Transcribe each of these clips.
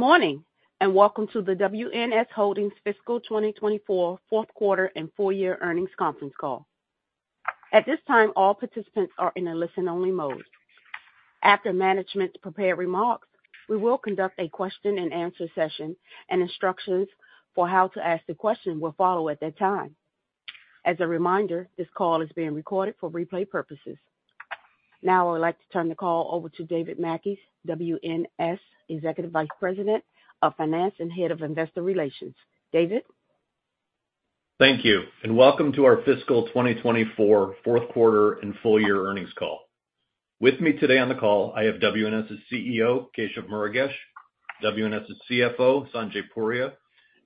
Good morning and Welcome to the WNS Holdings Fiscal 2024 Fourth Quarter and Full-Year Earnings Conference Call. At this time, all participants are in a listen-only mode. After management's prepared remarks, we will conduct a question-and-answer session, and instructions for how to ask the question will follow at that time. As a reminder, this call is being recorded for replay purposes. Now I would like to turn the call over to David Mackey, WNS Executive Vice President of Finance and Head of Investor Relations. David? Thank you, and Welcome to our Fiscal 2024 Fourth Quarter and Full-Year Earnings Call. With me today on the call, I have WNS's CEO Keshav Murugesh, WNS's CFO Sanjay Puria,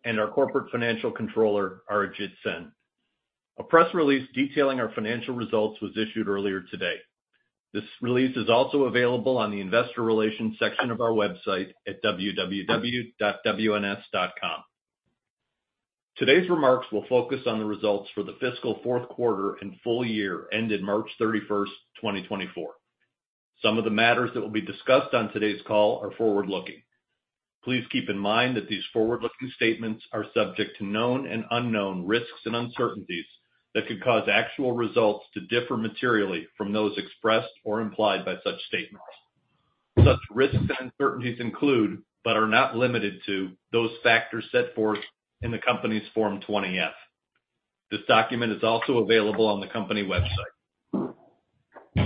and our Corporate Financial Controller Arijit Sen. A press release detailing our financial results was issued earlier today. This release is also available on the investor relations section of our website at www.wns.com. Today's remarks will focus on the results for the fiscal fourth quarter and full year ended March 31st, 2024. Some of the matters that will be discussed on today's call are forward-looking. Please keep in mind that these forward-looking statements are subject to known and unknown risks and uncertainties that could cause actual results to differ materially from those expressed or implied by such statements. Such risks and uncertainties include, but are not limited to, those factors set forth in the company's Form 20-F. This document is also available on the company website.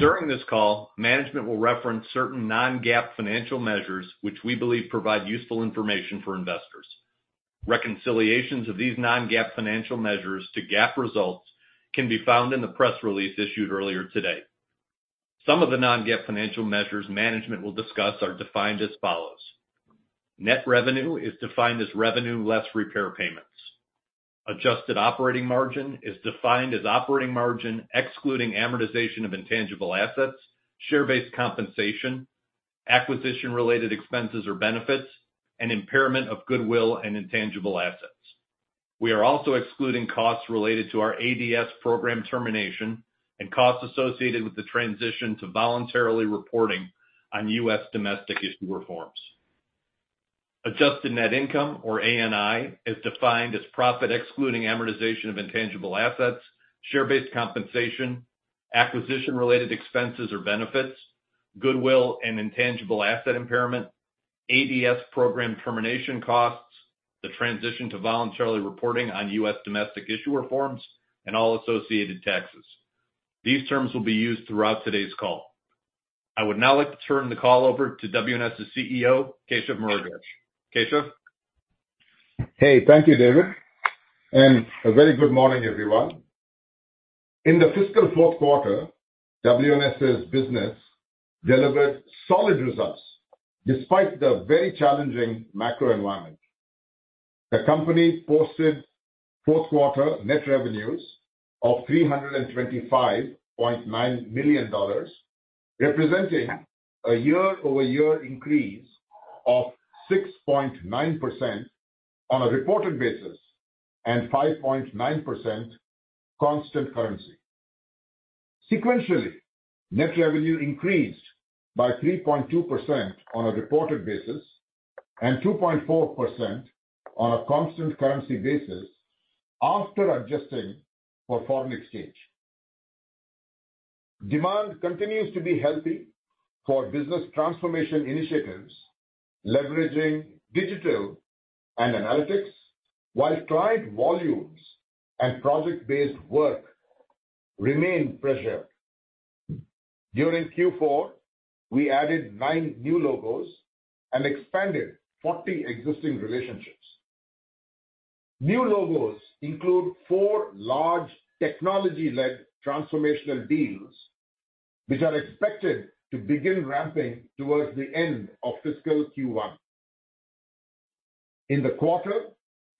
During this call, management will reference certain non-GAAP financial measures, which we believe provide useful information for investors. Reconciliations of these non-GAAP financial measures to GAAP results can be found in the press release issued earlier today. Some of the non-GAAP financial measures management will discuss are defined as follows: Net revenue is defined as revenue less repair payments. Adjusted operating margin is defined as operating margin excluding amortization of intangible assets, share-based compensation, acquisition-related expenses or benefits, and impairment of goodwill and intangible assets. We are also excluding costs related to our ADS program termination and costs associated with the transition to voluntarily reporting on U.S. domestic issuer forms. Adjusted Net Income, or ANI, is defined as profit excluding amortization of intangible assets, share-based compensation, acquisition-related expenses or benefits, goodwill and intangible asset impairment, ADS program termination costs, the transition to voluntarily reporting on U.S. domestic issuer forms, and all associated taxes. These terms will be used throughout today's call. I would now like to turn the call over to WNS's CEO Keshav Murugesh. Keshav? Hey, thank you, David. A very good morning, everyone. In the fiscal fourth quarter, WNS's business delivered solid results despite the very challenging macro environment. The company posted fourth quarter net revenues of $325.9 million, representing a year-over-year increase of 6.9% on a reported basis and 5.9% constant currency. Sequentially, net revenue increased by 3.2% on a reported basis and 2.4% on a constant currency basis after adjusting for foreign exchange. Demand continues to be healthy for business transformation initiatives leveraging digital and analytics, while client volumes and project-based work remain pressured. During Q4, we added nine new logos and expanded 40 existing relationships. New logos include four large technology-led transformational deals, which are expected to begin ramping towards the end of fiscal Q1. In the quarter,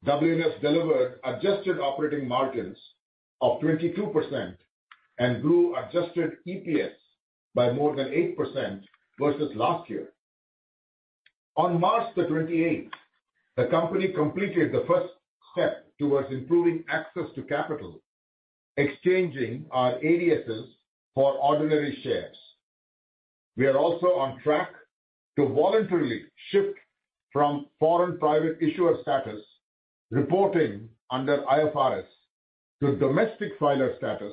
WNS delivered adjusted operating margins of 22% and grew adjusted EPS by more than 8% versus last year. On March 28th, the company completed the first step towards improving access to capital, exchanging our ADSs for ordinary shares. We are also on track to voluntarily shift from foreign private issuer status, reporting under IFRS, to domestic filer status,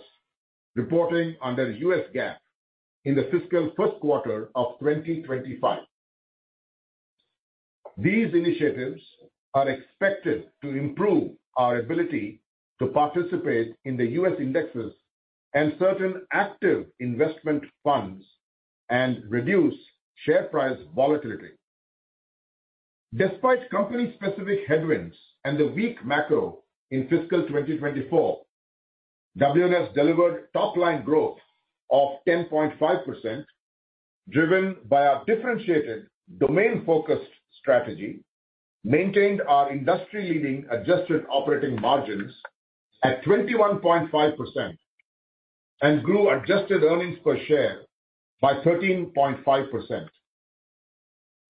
reporting under U.S. GAAP in the fiscal first quarter of 2025. These initiatives are expected to improve our ability to participate in the U.S. indexes and certain active investment funds and reduce share price volatility. Despite company-specific headwinds and the weak macro in fiscal 2024, WNS delivered top-line growth of 10.5%, driven by our differentiated domain-focused strategy, maintained our industry-leading adjusted operating margins at 21.5%, and grew adjusted earnings per share by 13.5%.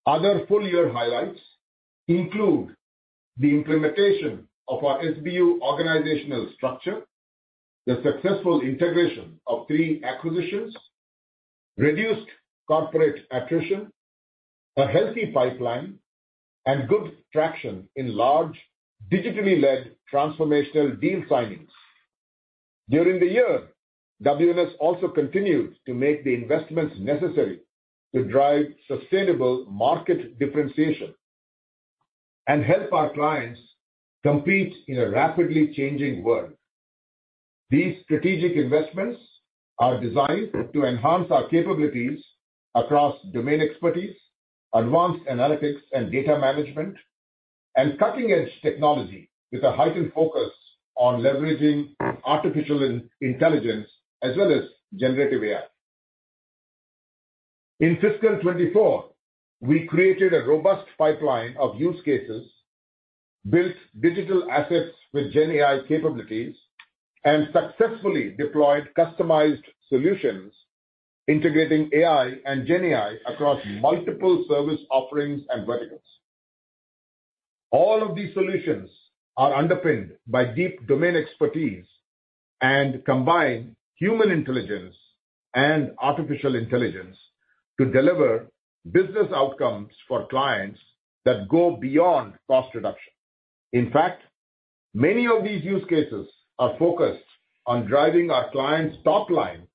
Other full-year highlights include the implementation of our SBU organizational structure, the successful integration of three acquisitions, reduced corporate attrition, a healthy pipeline, and good traction in large digitally-led transformational deal signings. During the year, WNS also continued to make the investments necessary to drive sustainable market differentiation and help our clients compete in a rapidly changing world. These strategic investments are designed to enhance our capabilities across domain expertise, advanced analytics and data management, and cutting-edge technology with a heightened focus on leveraging artificial intelligence as well as generative AI. In fiscal 2024, we created a robust pipeline of use cases, built digital assets with GenAI capabilities, and successfully deployed customized solutions integrating AI and GenAI across multiple service offerings and verticals. All of these solutions are underpinned by deep domain expertise and combine human intelligence and artificial intelligence to deliver business outcomes for clients that go beyond cost reduction. In fact, many of these use cases are focused on driving our clients' top-line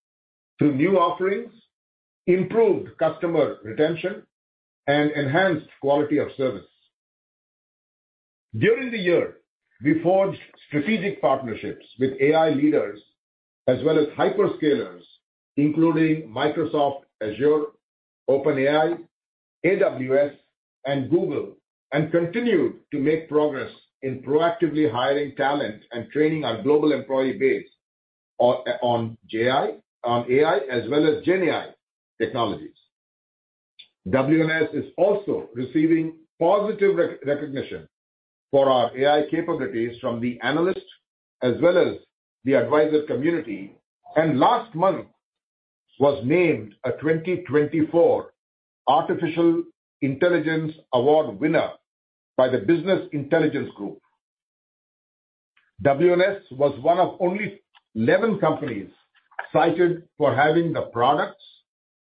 through new offerings, improved customer retention, and enhanced quality of service. During the year, we forged strategic partnerships with AI leaders as well as hyperscalers, including Microsoft Azure, OpenAI, AWS, and Google, and continued to make progress in proactively hiring talent and training our global employee base on AI as well as GenAI technologies. WNS is also receiving positive recognition for our AI capabilities from the analyst as well as the advisor community, and last month was named a 2024 Artificial Intelligence Award winner by the Business Intelligence Group. WNS was one of only 11 companies cited for having the products,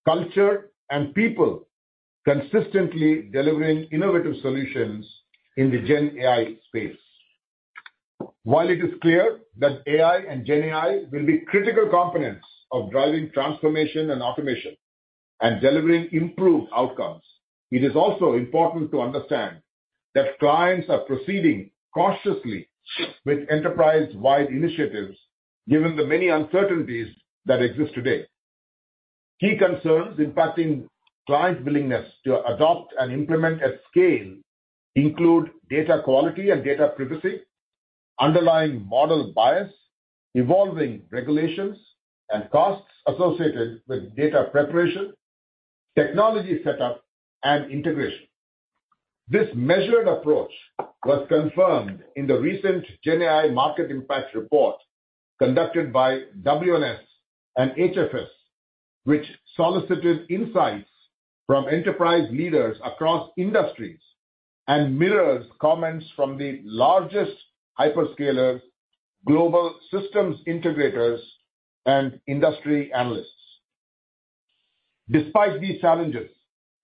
culture, and people consistently delivering innovative solutions in the GenAI space. While it is clear that AI and GenAI will be critical components of driving transformation and automation and delivering improved outcomes, it is also important to understand that clients are proceeding cautiously with enterprise-wide initiatives given the many uncertainties that exist today. Key concerns impacting clients' willingness to adopt and implement at scale include data quality and data privacy, underlying model bias, evolving regulations, and costs associated with data preparation, technology setup, and integration. This measured approach was confirmed in the recent GenAI market impact report conducted by WNS and HFS, which solicited insights from enterprise leaders across industries and mirrors comments from the largest hyperscalers, global systems integrators, and industry analysts. Despite these challenges,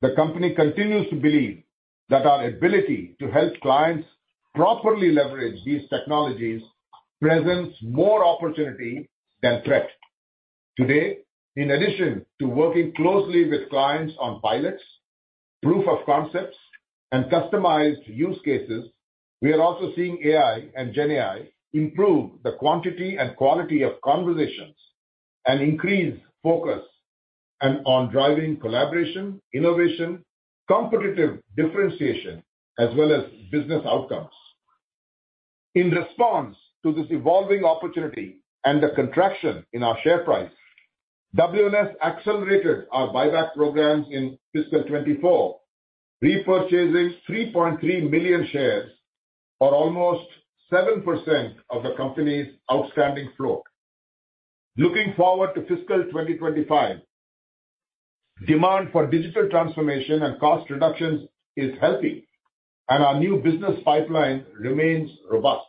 the company continues to believe that our ability to help clients properly leverage these technologies presents more opportunity than threat. Today, in addition to working closely with clients on pilots, proof of concepts, and customized use cases, we are also seeing AI and GenAI improve the quantity and quality of conversations and increase focus on driving collaboration, innovation, competitive differentiation, as well as business outcomes. In response to this evolving opportunity and the contraction in our share price, WNS accelerated our buyback programs in fiscal 2024, repurchasing 3.3 million shares or almost 7% of the company's outstanding float. Looking forward to fiscal 2025, demand for digital transformation and cost reductions is healthy, and our new business pipeline remains robust.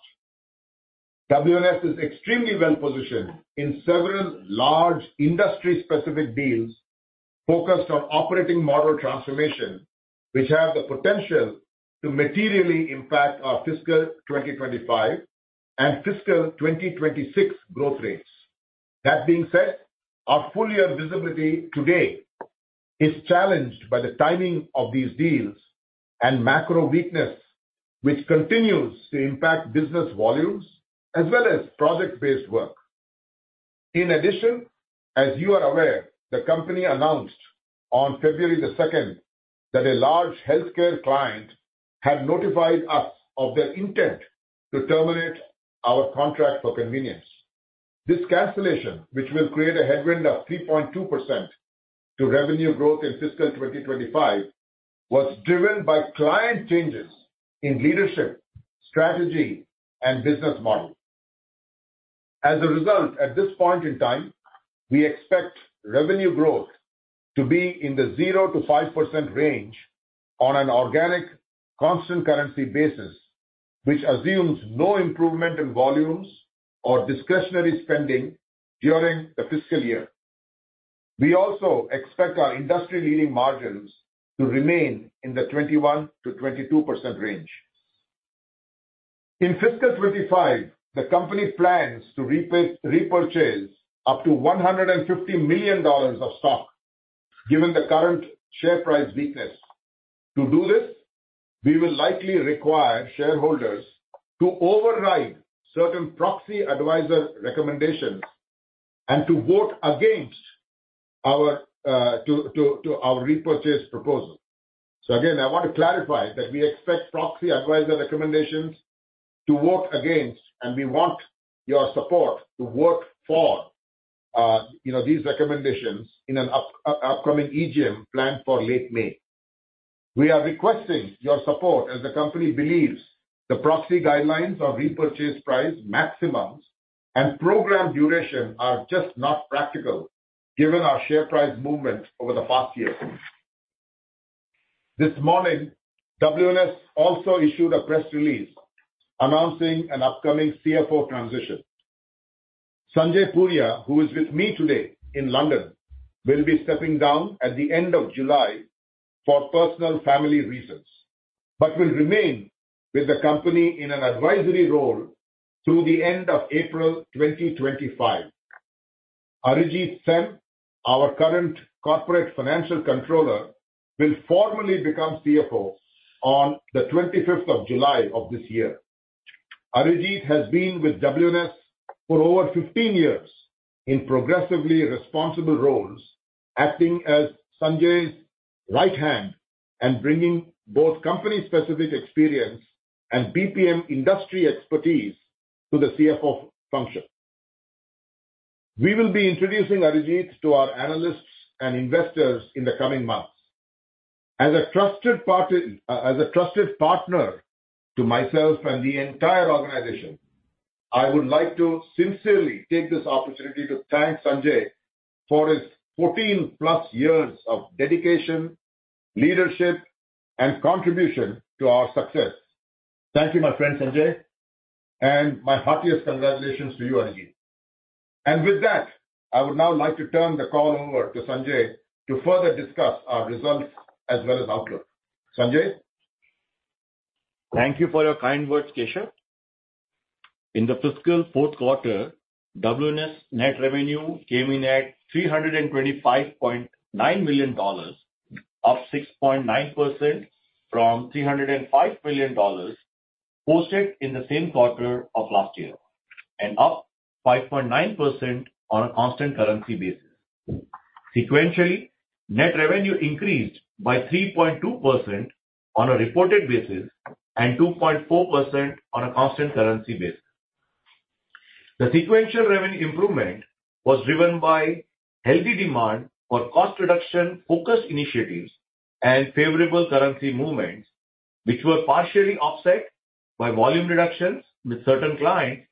WNS is extremely well-positioned in several large industry-specific deals focused on operating model transformation, which have the potential to materially impact our fiscal 2025 and fiscal 2026 growth rates. That being said, our full-year visibility today is challenged by the timing of these deals and macro weakness, which continues to impact business volumes as well as project-based work. In addition, as you are aware, the company announced on February 2nd that a large healthcare client had notified us of their intent to terminate our contract for convenience. This cancellation, which will create a headwind of 3.2% to revenue growth in fiscal 2025, was driven by client changes in leadership, strategy, and business model. As a result, at this point in time, we expect revenue growth to be in the 0%-5% range on an organic constant currency basis, which assumes no improvement in volumes or discretionary spending during the fiscal year. We also expect our industry-leading margins to remain in the 21%-22% range. In fiscal 2025, the company plans to repurchase up to $150 million of stock given the current share price weakness. To do this, we will likely require shareholders to override certain proxy advisor recommendations and to vote against our repurchase proposal. So again, I want to clarify that we expect proxy advisor recommendations to vote against, and we want your support to vote for these recommendations in an upcoming EGM planned for late May. We are requesting your support as the company believes the proxy guidelines on repurchase price maximums and program duration are just not practical given our share price movement over the past year. This morning, WNS also issued a press release announcing an upcoming CFO transition. Sanjay Puria, who is with me today in London, will be stepping down at the end of July for personal family reasons but will remain with the company in an advisory role through the end of April 2025. Arijit Sen, our current corporate financial controller, will formally become CFO on the 25th of July of this year. Arijit has been with WNS for over 15 years in progressively responsible roles, acting as Sanjay's right hand and bringing both company-specific experience and BPM industry expertise to the CFO function. We will be introducing Arijit to our analysts and investors in the coming months. As a trusted partner to myself and the entire organization, I would like to sincerely take this opportunity to thank Sanjay for his 14+ years of dedication, leadership, and contribution to our success. Thank you, my friend Sanjay, and my heartiest congratulations to you, Arijit. And with that, I would now like to turn the call over to Sanjay to further discuss our results as well as outlook. Sanjay? Thank you for your kind words, Keshav. In the fiscal fourth quarter, WNS net revenue came in at $325.9 million, up 6.9% from $305 million posted in the same quarter of last year and up 5.9% on a constant currency basis. Sequentially, net revenue increased by 3.2% on a reported basis and 2.4% on a constant currency basis. The sequential revenue improvement was driven by healthy demand for cost reduction-focused initiatives and favorable currency movements, which were partially offset by volume reductions with certain clients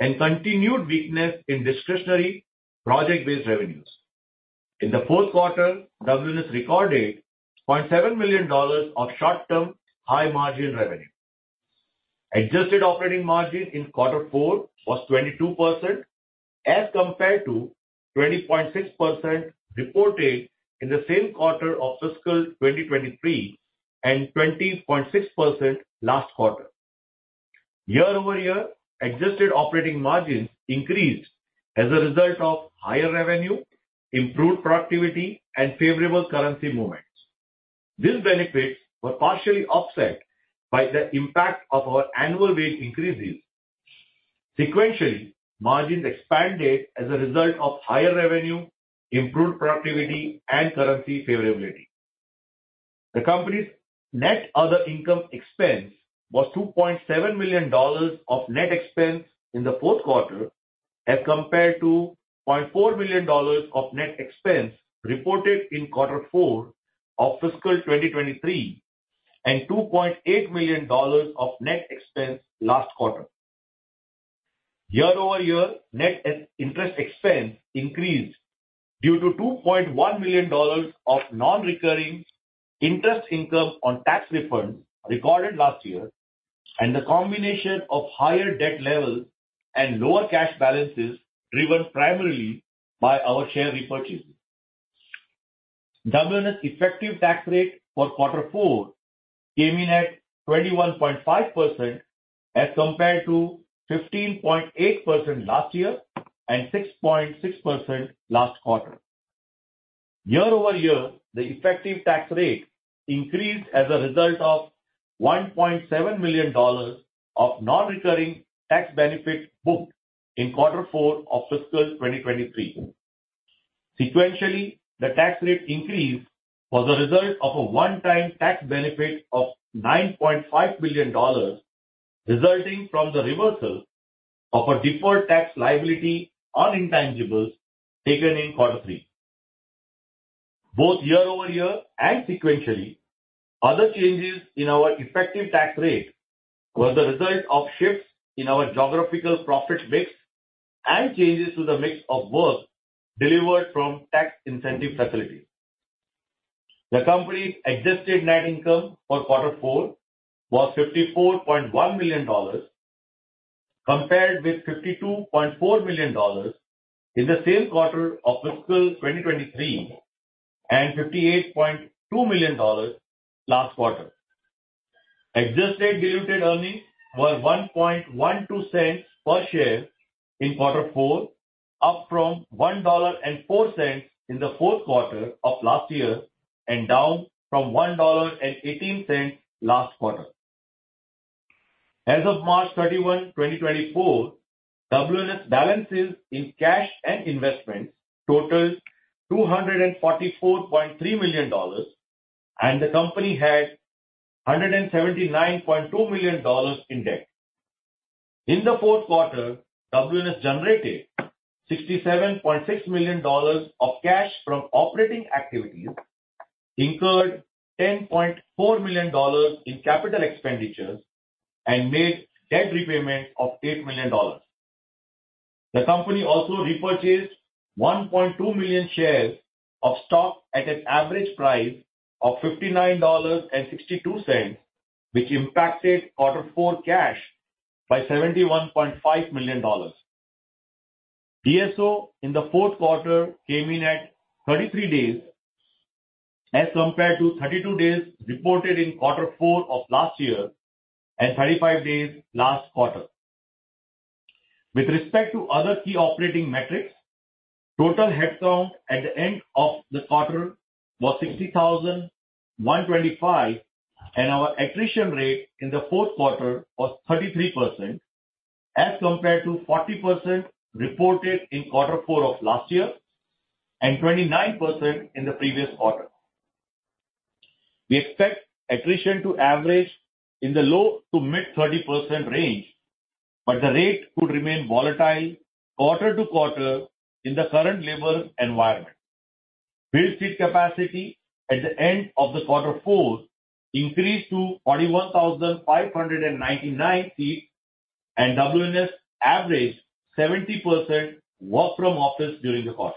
and continued weakness in discretionary project-based revenues. In the fourth quarter, WNS recorded $0.7 million of short-term high-margin revenue. Adjusted operating margin in quarter four was 22% as compared to 20.6% reported in the same quarter of fiscal 2023 and 20.6% last quarter. Year-over-year, adjusted operating margins increased as a result of higher revenue, improved productivity, and favorable currency movements. These benefits were partially offset by the impact of our annual wage increases. Sequentially, margins expanded as a result of higher revenue, improved productivity, and currency favorability. The company's net other income expense was $2.7 million of net expense in the fourth quarter as compared to $0.4 million of net expense reported in quarter four of fiscal 2023 and $2.8 million of net expense last quarter. Year-over-year, net interest expense increased due to $2.1 million of non-recurring interest income on tax refunds recorded last year and the combination of higher debt levels and lower cash balances driven primarily by our share repurchases. WNS effective tax rate for quarter four came in at 21.5% as compared to 15.8% last year and 6.6% last quarter. Year-over-year, the effective tax rate increased as a result of $1.7 million of non-recurring tax benefit booked in quarter four of fiscal 2023. Sequentially, the tax rate increased was a result of a one-time tax benefit of $9.5 million resulting from the reversal of a deferred tax liability on intangibles taken in quarter three. Both year-over-year and sequentially, other changes in our effective tax rate were the result of shifts in our geographical profit mix and changes to the mix of work delivered from tax incentive facilities. The company's adjusted net income for quarter four was $54.1 million compared with $52.4 million in the same quarter of fiscal 2023 and $58.2 million last quarter. Adjusted diluted earnings were $1.12 per share in quarter four, up from $1.04 in the fourth quarter of last year and down from $1.18 last quarter. As of March 31, 2024, WNS balances in cash and investments totaled $244.3 million, and the company had $179.2 million in debt. In the fourth quarter, WNS generated $67.6 million of cash from operating activities, incurred $10.4 million in capital expenditures, and made debt repayments of $8 million. The company also repurchased 1.2 million shares of stock at an average price of $59.62, which impacted quarter four cash by $71.5 million. DSO in the fourth quarter came in at 33 days as compared to 32 days reported in quarter four of last year and 35 days last quarter. With respect to other key operating metrics, total headcount at the end of the quarter was 60,125, and our attrition rate in the fourth quarter was 33% as compared to 40% reported in quarter four of last year and 29% in the previous quarter. We expect attrition to average in the low to mid-30% range, but the rate could remain volatile quarter to quarter in the current labor environment. Billed seat capacity at the end of the fourth quarter increased to 41,599 seats, and WNS averaged 70% work-from-office during the quarter.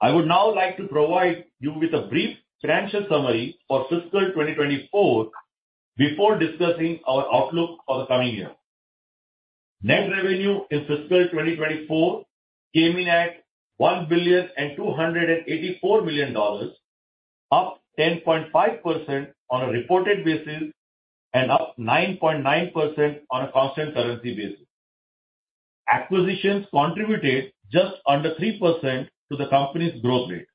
I would now like to provide you with a brief financial summary for fiscal 2024 before discussing our outlook for the coming year. Net revenue in fiscal 2024 came in at $1.284 billion, up 10.5% on a reported basis and up 9.9% on a constant currency basis. Acquisitions contributed just under 3% to the company's growth rate.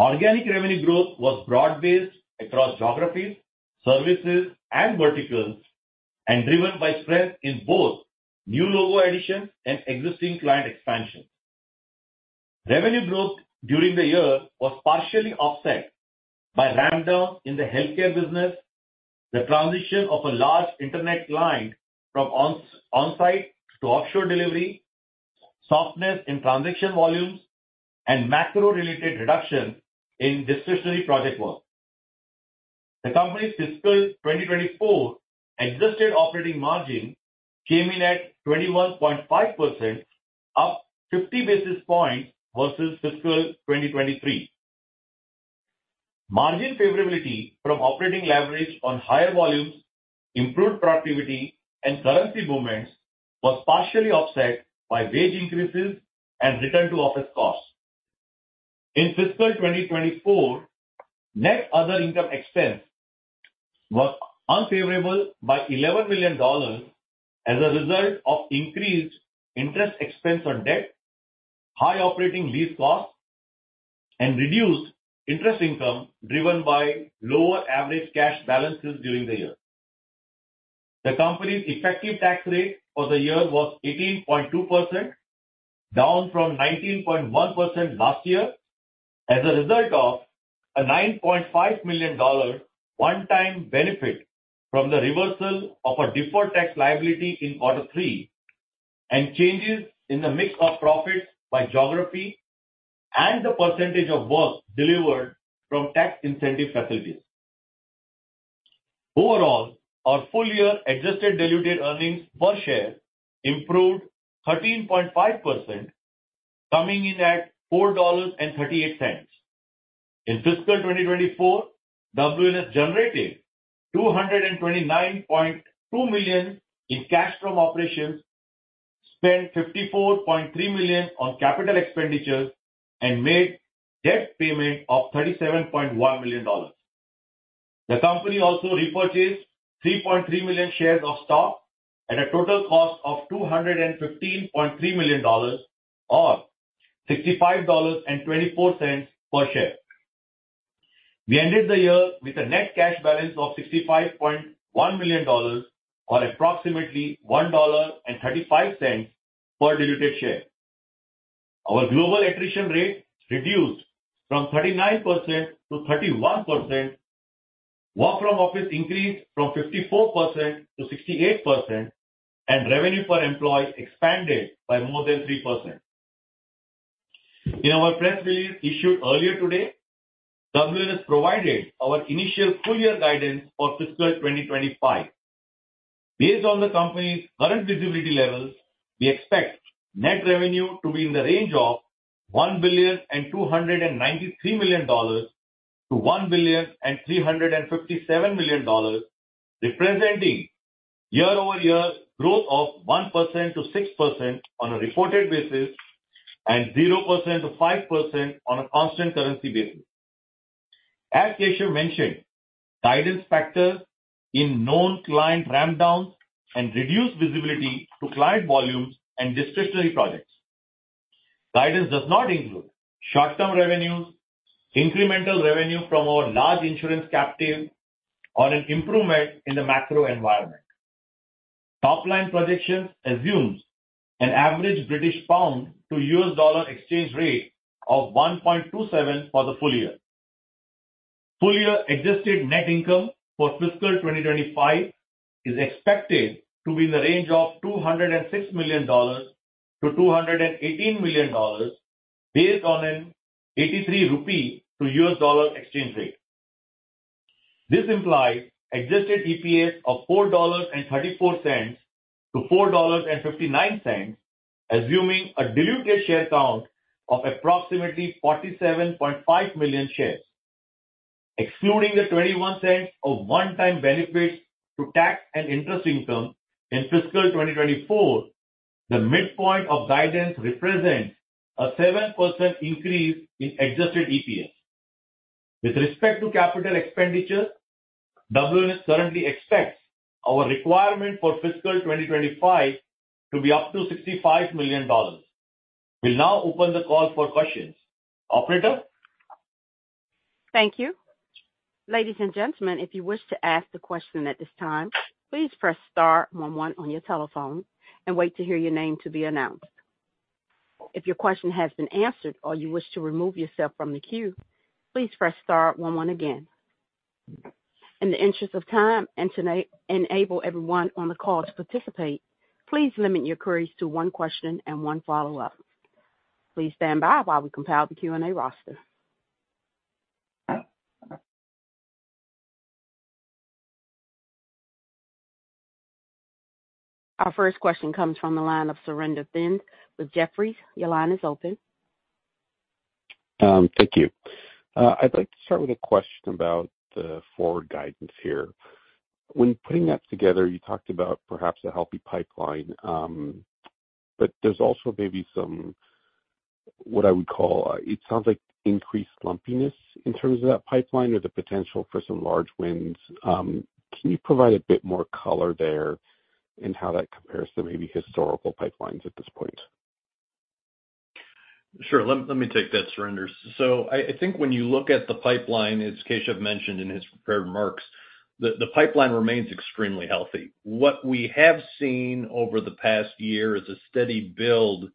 Organic revenue growth was broad-based across geographies, services, and verticals and driven by strength in both new logo additions and existing client expansions. Revenue growth during the year was partially offset by rampdowns in the healthcare business, the transition of a large internet client from onsite to offshore delivery, softness in transaction volumes, and macro-related reductions in discretionary project work. The company's fiscal 2024 adjusted operating margin came in at 21.5%, up 50 basis points versus fiscal 2023. Margin favorability from operating leverage on higher volumes, improved productivity, and currency movements was partially offset by wage increases and return-to-office costs. In fiscal 2024, net other income expense was unfavorable by $11 million as a result of increased interest expense on debt, high operating lease costs, and reduced interest income driven by lower average cash balances during the year. The company's effective tax rate for the year was 18.2%, down from 19.1% last year as a result of a $9.5 million one-time benefit from the reversal of a deferred tax liability in quarter three and changes in the mix of profits by geography and the percentage of work delivered from tax incentive facilities. Overall, our full-year adjusted diluted earnings per share improved 13.5%, coming in at $4.38. In fiscal 2024, WNS generated $229.2 million in cash from operations, spent $54.3 million on capital expenditures, and made debt payment of $37.1 million. The company also repurchased 3.3 million shares of stock at a total cost of $215.3 million or $65.24 per share. We ended the year with a net cash balance of $65.1 million or approximately $1.35 per diluted share. Our global attrition rate reduced from 39% to 31%, work-from-office increased from 54% to 68%, and revenue per employee expanded by more than 3%. In our press release issued earlier today, WNS provided our initial full-year guidance for fiscal 2025. Based on the company's current visibility levels, we expect net revenue to be in the range of $1.293 billion-$1.357 billion, representing year-over-year growth of 1%-6% on a reported basis and 0%-5% on a constant currency basis. As Keshav mentioned, guidance factors in known client rampdowns and reduced visibility to client volumes and discretionary projects. Guidance does not include short-term revenues, incremental revenue from our large insurance captive, or an improvement in the macro environment. Top-line projections assume an average GBP-to-US dollar exchange rate of $1.27 for the full year. Full-year adjusted net income for fiscal 2025 is expected to be in the range of $206 million-$218 million based on an INR 83-to-US dollar exchange rate. This implies adjusted EPS of $4.34-$4.59, assuming a diluted share count of approximately 47.5 million shares. Excluding the $0.21 of one-time benefits to tax and interest income in fiscal 2024, the midpoint of guidance represents a 7% increase in adjusted EPS. With respect to capital expenditures, WNS currently expects our requirement for fiscal 2025 to be up to $65 million. We'll now open the call for questions. Operator? Thank you. Ladies and gentlemen, if you wish to ask the question at this time, please press star one one on your telephone and wait to hear your name to be announced. If your question has been answered or you wish to remove yourself from the queue, please press star one one again. In the interest of time and to enable everyone on the call to participate, please limit your queries to one question and one follow-up. Please stand by while we compile the Q&A roster. Our first question comes from the line of Surinder Thind with Jefferies. Your line is open. Thank you. I'd like to start with a question about the forward guidance here. When putting that together, you talked about perhaps a healthy pipeline, but there's also maybe some what I would call it sounds like increased lumpiness in terms of that pipeline or the potential for some large winds. Can you provide a bit more color there in how that compares to maybe historical pipelines at this point? Sure. Let me take that, Surinder. So I think when you look at the pipeline, as Keshav mentioned in his prepared remarks, the pipeline remains extremely healthy. What we have seen over the past year is a steady build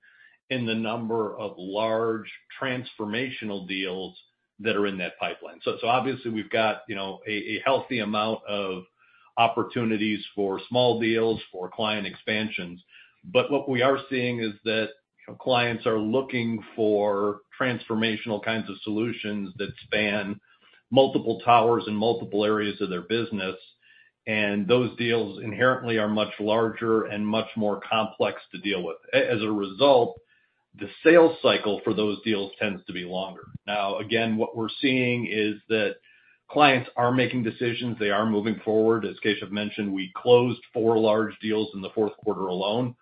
in the number of large transformational deals that are in that pipeline. So obviously, we've got a healthy amount of opportunities for small deals, for client expansions. But what we are seeing is that clients are looking for transformational kinds of solutions that span multiple towers in multiple areas of their business, and those deals inherently are much larger and much more complex to deal with. As a result, the sales cycle for those deals tends to be longer. Now, again, what we're seeing is that clients are making decisions. They are moving forward. As Keshav mentioned, we closed four large deals in the fourth quarter alone.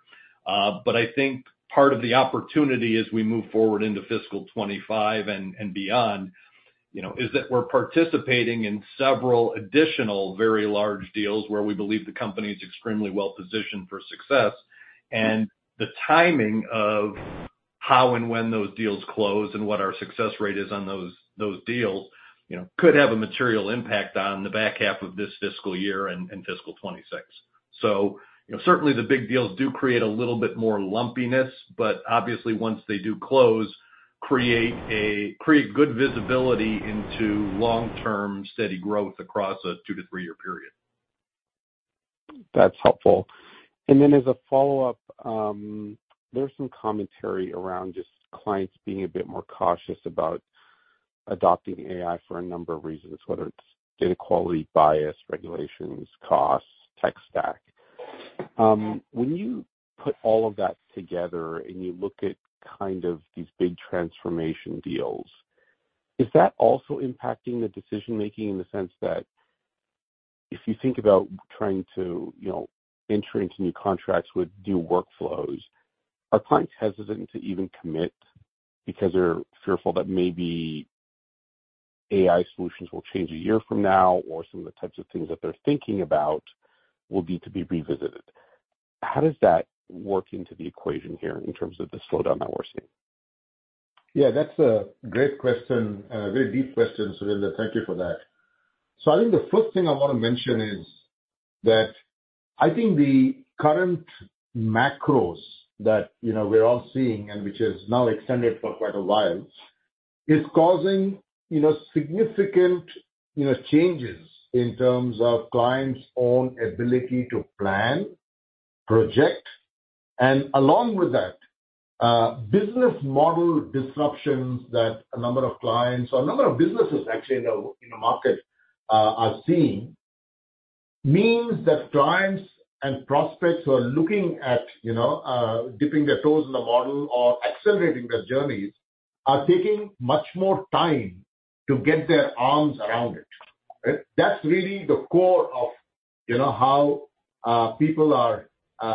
But I think part of the opportunity as we move forward into fiscal 2025 and beyond is that we're participating in several additional very large deals where we believe the company is extremely well-positioned for success. And the timing of how and when those deals close and what our success rate is on those deals could have a material impact on the back half of this fiscal year and fiscal 2026. So certainly, the big deals do create a little bit more lumpiness, but obviously, once they do close, create good visibility into long-term steady growth across a 2-3 year period. That's helpful. And then as a follow-up, there's some commentary around just clients being a bit more cautious about adopting AI for a number of reasons, whether it's data quality bias, regulations, costs, tech stack. When you put all of that together and you look at kind of these big transformation deals, is that also impacting the decision-making in the sense that if you think about trying to enter into new contracts with new workflows, are clients hesitant to even commit because they're fearful that maybe AI solutions will change a year from now or some of the types of things that they're thinking about will need to be revisited? How does that work into the equation here in terms of the slowdown that we're seeing? Yeah, that's a great question, a very deep question, Surinder. Thank you for that. So I think the first thing I want to mention is that I think the current macros that we're all seeing, and which is now extended for quite a while, is causing significant changes in terms of clients' own ability to plan, project, and along with that, business model disruptions that a number of clients or a number of businesses, actually, in the market are seeing means that clients and prospects who are looking at dipping their toes in the model or accelerating their journeys are taking much more time to get their arms around it. That's really the core of how people are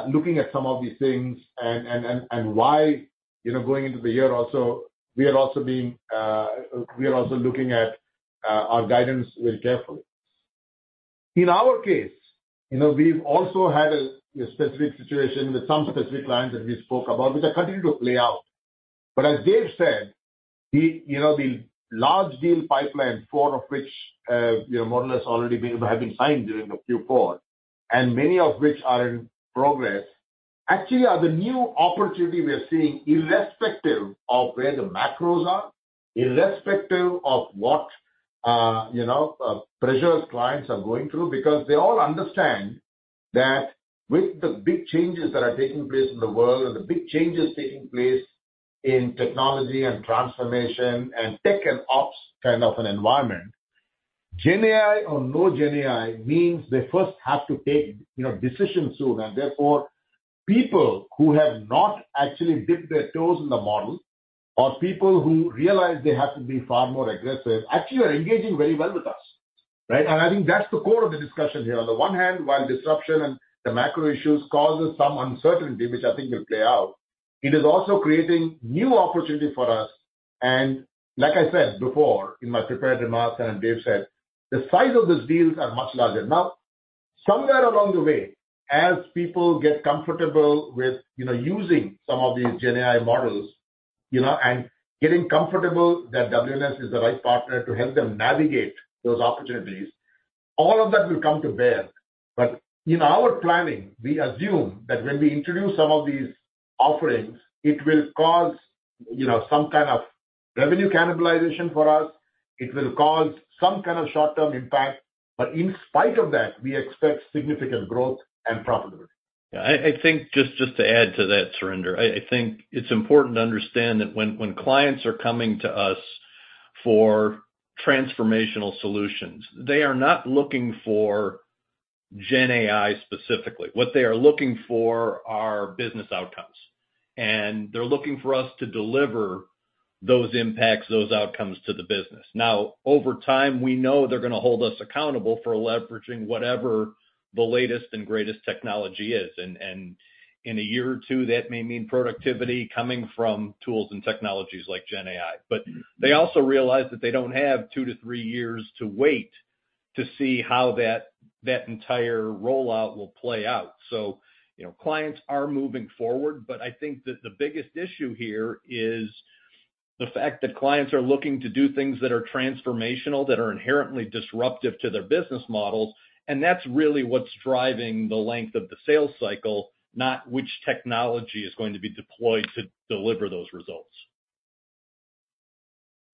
looking at some of these things and why, going into the year, also we are also being we are also looking at our guidance very carefully. In our case, we've also had a specific situation with some specific clients that we spoke about, which are continuing to play out. But as Dave said, the large deal pipeline, four of which more or less already have been signed during the Q4, and many of which are in progress, actually are the new opportunity we are seeing irrespective of where the macros are, irrespective of what pressures clients are going through because they all understand that with the big changes that are taking place in the world and the big changes taking place in technology and transformation and tech and ops kind of an environment, GenAI or no GenAI means they first have to take decisions soon. And therefore, people who have not actually dipped their toes in the model or people who realize they have to be far more aggressive actually are engaging very well with us. And I think that's the core of the discussion here. On the one hand, while disruption and the macro issues cause some uncertainty, which I think will play out, it is also creating new opportunity for us. And like I said before in my prepared remarks and as Dave said, the size of these deals are much larger. Now, somewhere along the way, as people get comfortable with using some of these GenAI models and getting comfortable that WNS is the right partner to help them navigate those opportunities, all of that will come to bear. But in our planning, we assume that when we introduce some of these offerings, it will cause some kind of revenue cannibalization for us. It will cause some kind of short-term impact. But in spite of that, we expect significant growth and profitability. Yeah. I think just to add to that, Surinder, I think it's important to understand that when clients are coming to us for transformational solutions, they are not looking for GenAI specifically. What they are looking for are business outcomes. And they're looking for us to deliver those impacts, those outcomes to the business. Now, over time, we know they're going to hold us accountable for leveraging whatever the latest and greatest technology is. And in a year or two, that may mean productivity coming from tools and technologies like GenAI. But they also realize that they don't have 2-3 years to wait to see how that entire rollout will play out. So clients are moving forward. But I think that the biggest issue here is the fact that clients are looking to do things that are transformational, that are inherently disruptive to their business models. That's really what's driving the length of the sales cycle, not which technology is going to be deployed to deliver those results.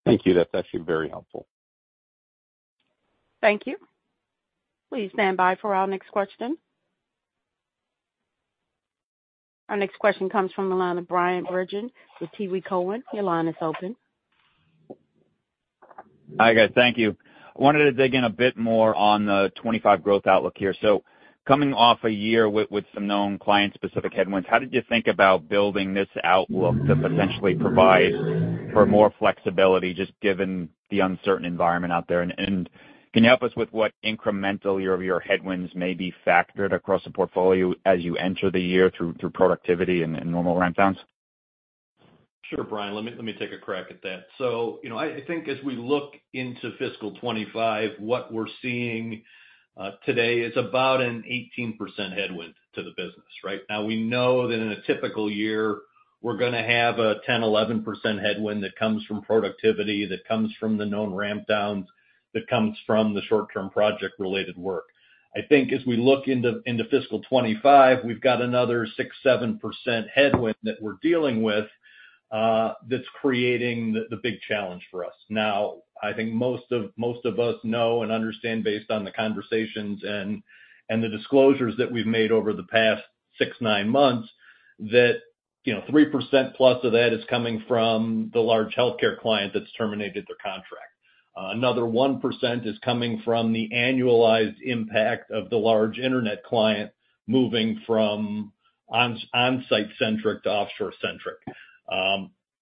Thank you. That's actually very helpful. Thank you. Please stand by for our next question. Our next question comes from the line of Bryan Bergin with TD Cowen. Your line is open. Hi, guys. Thank you. I wanted to dig in a bit more on the 2025 growth outlook here. So coming off a year with some known client-specific headwinds, how did you think about building this outlook to potentially provide for more flexibility just given the uncertain environment out there? And can you help us with what incremental of your headwinds may be factored across the portfolio as you enter the year through productivity and normal rampdowns? Sure, Bryan. Let me take a crack at that. So I think as we look into fiscal 2025, what we're seeing today is about an 18% headwind to the business. Now, we know that in a typical year, we're going to have a 10%-11% headwind that comes from productivity, that comes from the known rampdowns, that comes from the short-term project-related work. I think as we look into fiscal 2025, we've got another 6%-7% headwind that we're dealing with that's creating the big challenge for us. Now, I think most of us know and understand based on the conversations and the disclosures that we've made over the past 6-9 months that 3%+ of that is coming from the large healthcare client that's terminated their contract. Another 1% is coming from the annualized impact of the large internet client moving from onsite-centric to offshore-centric.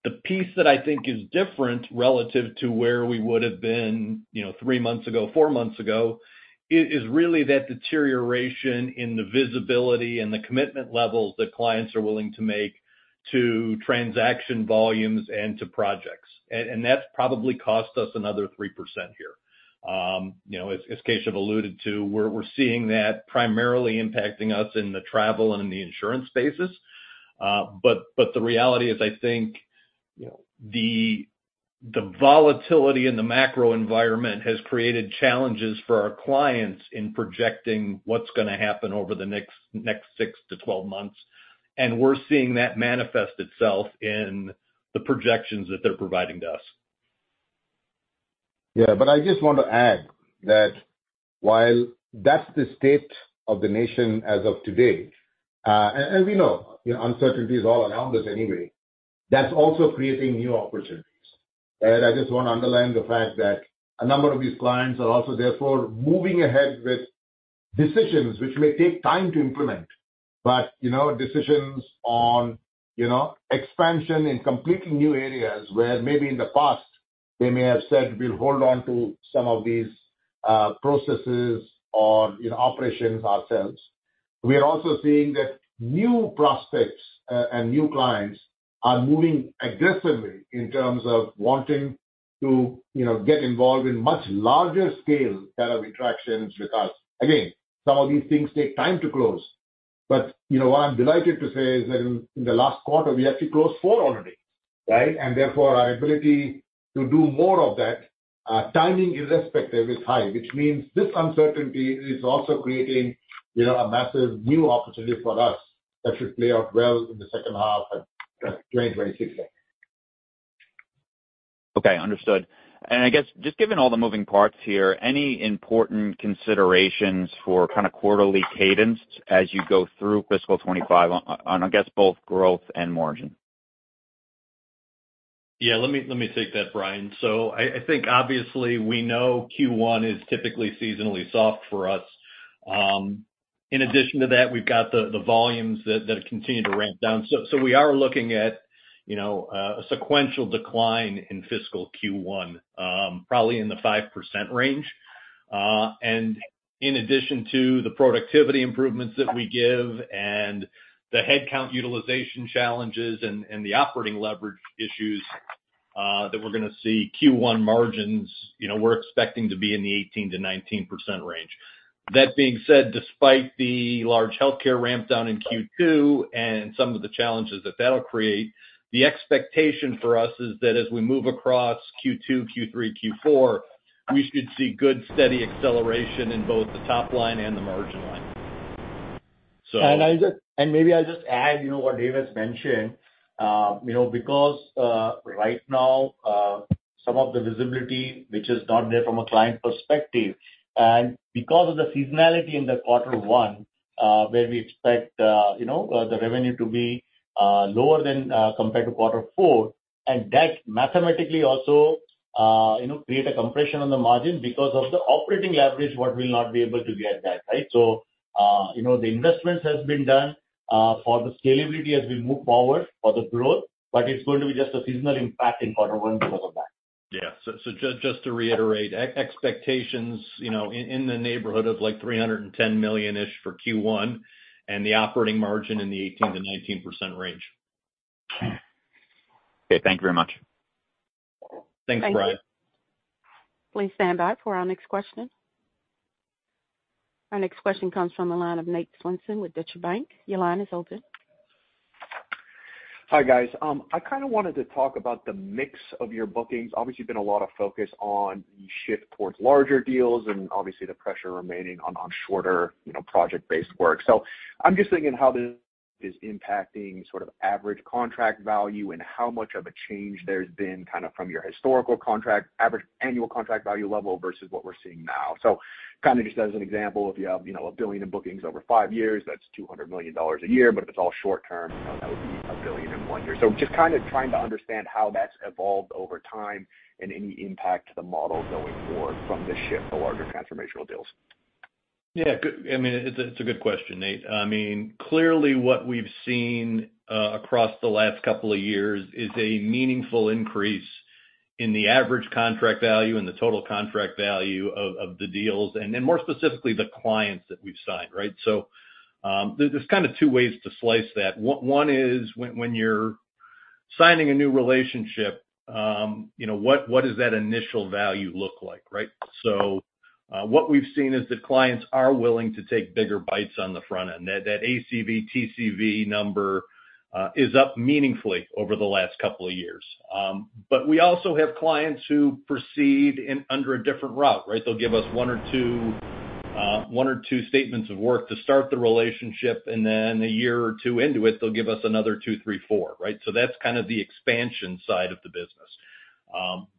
The piece that I think is different relative to where we would have been three months ago, four months ago is really that deterioration in the visibility and the commitment levels that clients are willing to make to transaction volumes and to projects. And that's probably cost us another 3% here. As Keshav alluded to, we're seeing that primarily impacting us in the travel and in the insurance spaces. But the reality is, I think the volatility in the macro environment has created challenges for our clients in projecting what's going to happen over the next 6-12 months. And we're seeing that manifest itself in the projections that they're providing to us. Yeah. But I just want to add that while that's the state of the nation as of today and we know uncertainty is all around us anyway, that's also creating new opportunities. And I just want to underline the fact that a number of these clients are also, therefore, moving ahead with decisions which may take time to implement, but decisions on expansion in completely new areas where maybe in the past, they may have said, "We'll hold on to some of these processes or operations ourselves." We are also seeing that new prospects and new clients are moving aggressively in terms of wanting to get involved in much larger-scale kind of interactions with us. Again, some of these things take time to close. But what I'm delighted to say is that in the last quarter, we actually closed four already. Therefore, our ability to do more of that, timing irrespective, is high, which means this uncertainty is also creating a massive new opportunity for us that should play out well in the second half of 2026. Okay. Understood. I guess just given all the moving parts here, any important considerations for kind of quarterly cadence as you go through fiscal 2025 on, I guess, both growth and margin? Yeah. Let me take that, Bryan. So I think obviously, we know Q1 is typically seasonally soft for us. In addition to that, we've got the volumes that continue to ramp down. So we are looking at a sequential decline in fiscal Q1, probably in the 5% range. And in addition to the productivity improvements that we give and the headcount utilization challenges and the operating leverage issues that we're going to see, Q1 margins, we're expecting to be in the 18%-19% range. That being said, despite the large healthcare rampdown in Q2 and some of the challenges that that'll create, the expectation for us is that as we move across Q2, Q3, Q4, we should see good steady acceleration in both the top line and the margin line. Maybe I'll just add what Dave has mentioned because right now, some of the visibility, which is not there from a client perspective, and because of the seasonality in quarter one where we expect the revenue to be lower than compared to quarter four, and that mathematically also create a compression on the margin because of the operating leverage, what we'll not be able to get that. So the investments have been done for the scalability as we move forward for the growth, but it's going to be just a seasonal impact in quarter one because of that. Yeah. So just to reiterate, expectations in the neighborhood of $310 million-ish for Q1 and the operating margin in the 18%-19% range. Okay. Thank you very much. Thanks, Bryan. Thank you. Please stand by for our next question. Our next question comes from the line of Nate Svensson with Deutsche Bank. Your line is open. Hi, guys. I kind of wanted to talk about the mix of your bookings. Obviously, there's been a lot of focus on the shift towards larger deals and obviously the pressure remaining on shorter project-based work. So I'm just thinking how this is impacting sort of average contract value and how much of a change there's been kind of from your historical average annual contract value level versus what we're seeing now. So kind of just as an example, if you have a billion in bookings over five years, that's $200 million a year. But if it's all short-term, that would be a billion in one year. So just kind of trying to understand how that's evolved over time and any impact to the model going forward from this shift to larger transformational deals. Yeah. I mean, it's a good question, Nate. I mean, clearly, what we've seen across the last couple of years is a meaningful increase in the average contract value and the total contract value of the deals, and more specifically, the clients that we've signed. So there's kind of two ways to slice that. One is when you're signing a new relationship, what does that initial value look like? So what we've seen is that clients are willing to take bigger bites on the front end. That ACV, TCV number is up meaningfully over the last couple of years. But we also have clients who proceed under a different route. They'll give us one or two statements of work to start the relationship. And then a year or two into it, they'll give us another two, three, four. So that's kind of the expansion side of the business.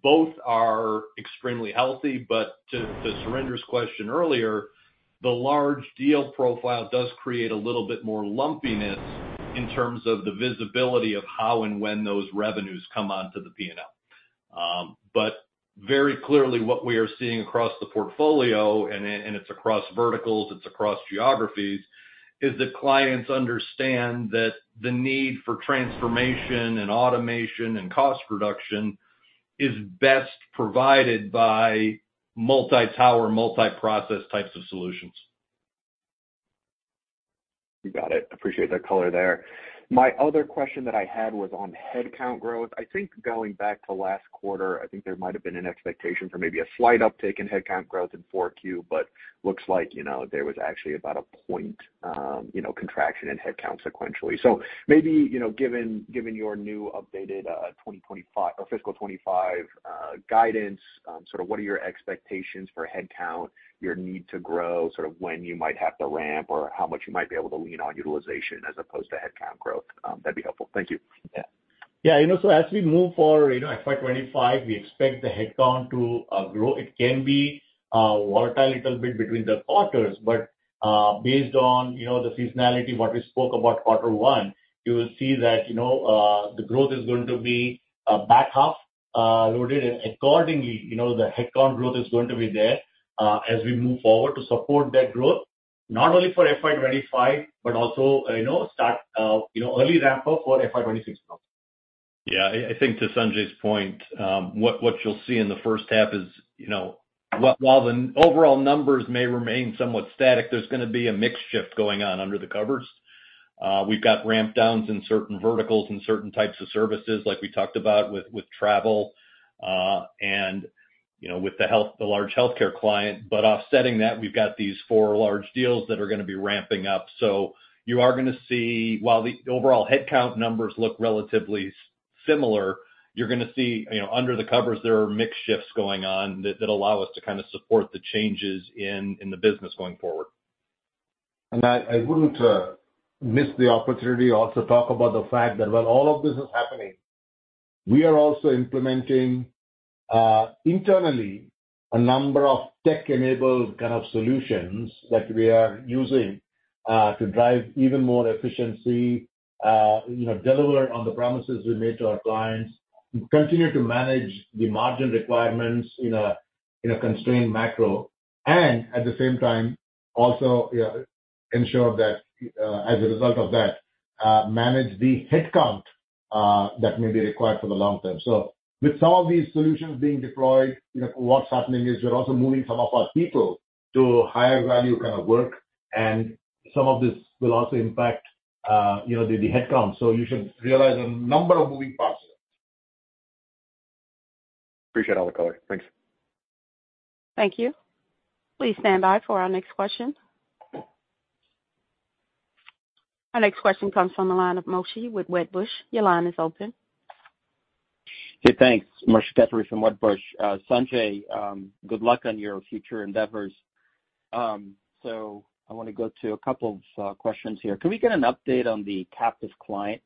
Both are extremely healthy. But to Surinder's question earlier, the large deal profile does create a little bit more lumpiness in terms of the visibility of how and when those revenues come onto the P&L. But very clearly, what we are seeing across the portfolio - and it's across verticals, it's across geographies - is that clients understand that the need for transformation and automation and cost reduction is best provided by multi-tower, multi-process types of solutions. You got it. Appreciate that color there. My other question that I had was on headcount growth. I think going back to last quarter, I think there might have been an expectation for maybe a slight uptake in headcount growth in 4Q, but looks like there was actually about a point contraction in headcount sequentially. So maybe given your new updated fiscal 2025 guidance, sort of what are your expectations for headcount, your need to grow, sort of when you might have to ramp, or how much you might be able to lean on utilization as opposed to headcount growth? That'd be helpful. Thank you. Yeah. Yeah. So as we move forward in FY 2025, we expect the headcount to grow. It can be volatile a little bit between the quarters. But based on the seasonality, what we spoke about quarter one, you will see that the growth is going to be back half-loaded. And accordingly, the headcount growth is going to be there as we move forward to support that growth, not only for FY 2025 but also start early ramp-up for FY 2026 growth. Yeah. I think to Sanjay's point, what you'll see in the first half is while the overall numbers may remain somewhat static, there's going to be a mixed shift going on under the covers. We've got rampdowns in certain verticals and certain types of services, like we talked about with travel and with the large healthcare client. But offsetting that, we've got these four large deals that are going to be ramping up. So you are going to see while the overall headcount numbers look relatively similar, you're going to see under the covers, there are mixed shifts going on that allow us to kind of support the changes in the business going forward. I wouldn't miss the opportunity to also talk about the fact that while all of this is happening, we are also implementing internally a number of tech-enabled kind of solutions that we are using to drive even more efficiency, deliver on the promises we made to our clients, continue to manage the margin requirements in a constrained macro, and at the same time, also ensure that as a result of that, manage the headcount that may be required for the long term. With some of these solutions being deployed, what's happening is we're also moving some of our people to higher-value kind of work. Some of this will also impact the headcount. You should realize a number of moving parts here. Appreciate all the color. Thanks. Thank you. Please stand by for our next question. Our next question comes from the line of Moshe with Wedbush. Your line is open. Hey, thanks. Moshe Katri from Wedbush. Sanjay, good luck on your future endeavors. I want to go to a couple of questions here. Can we get an update on the captive client?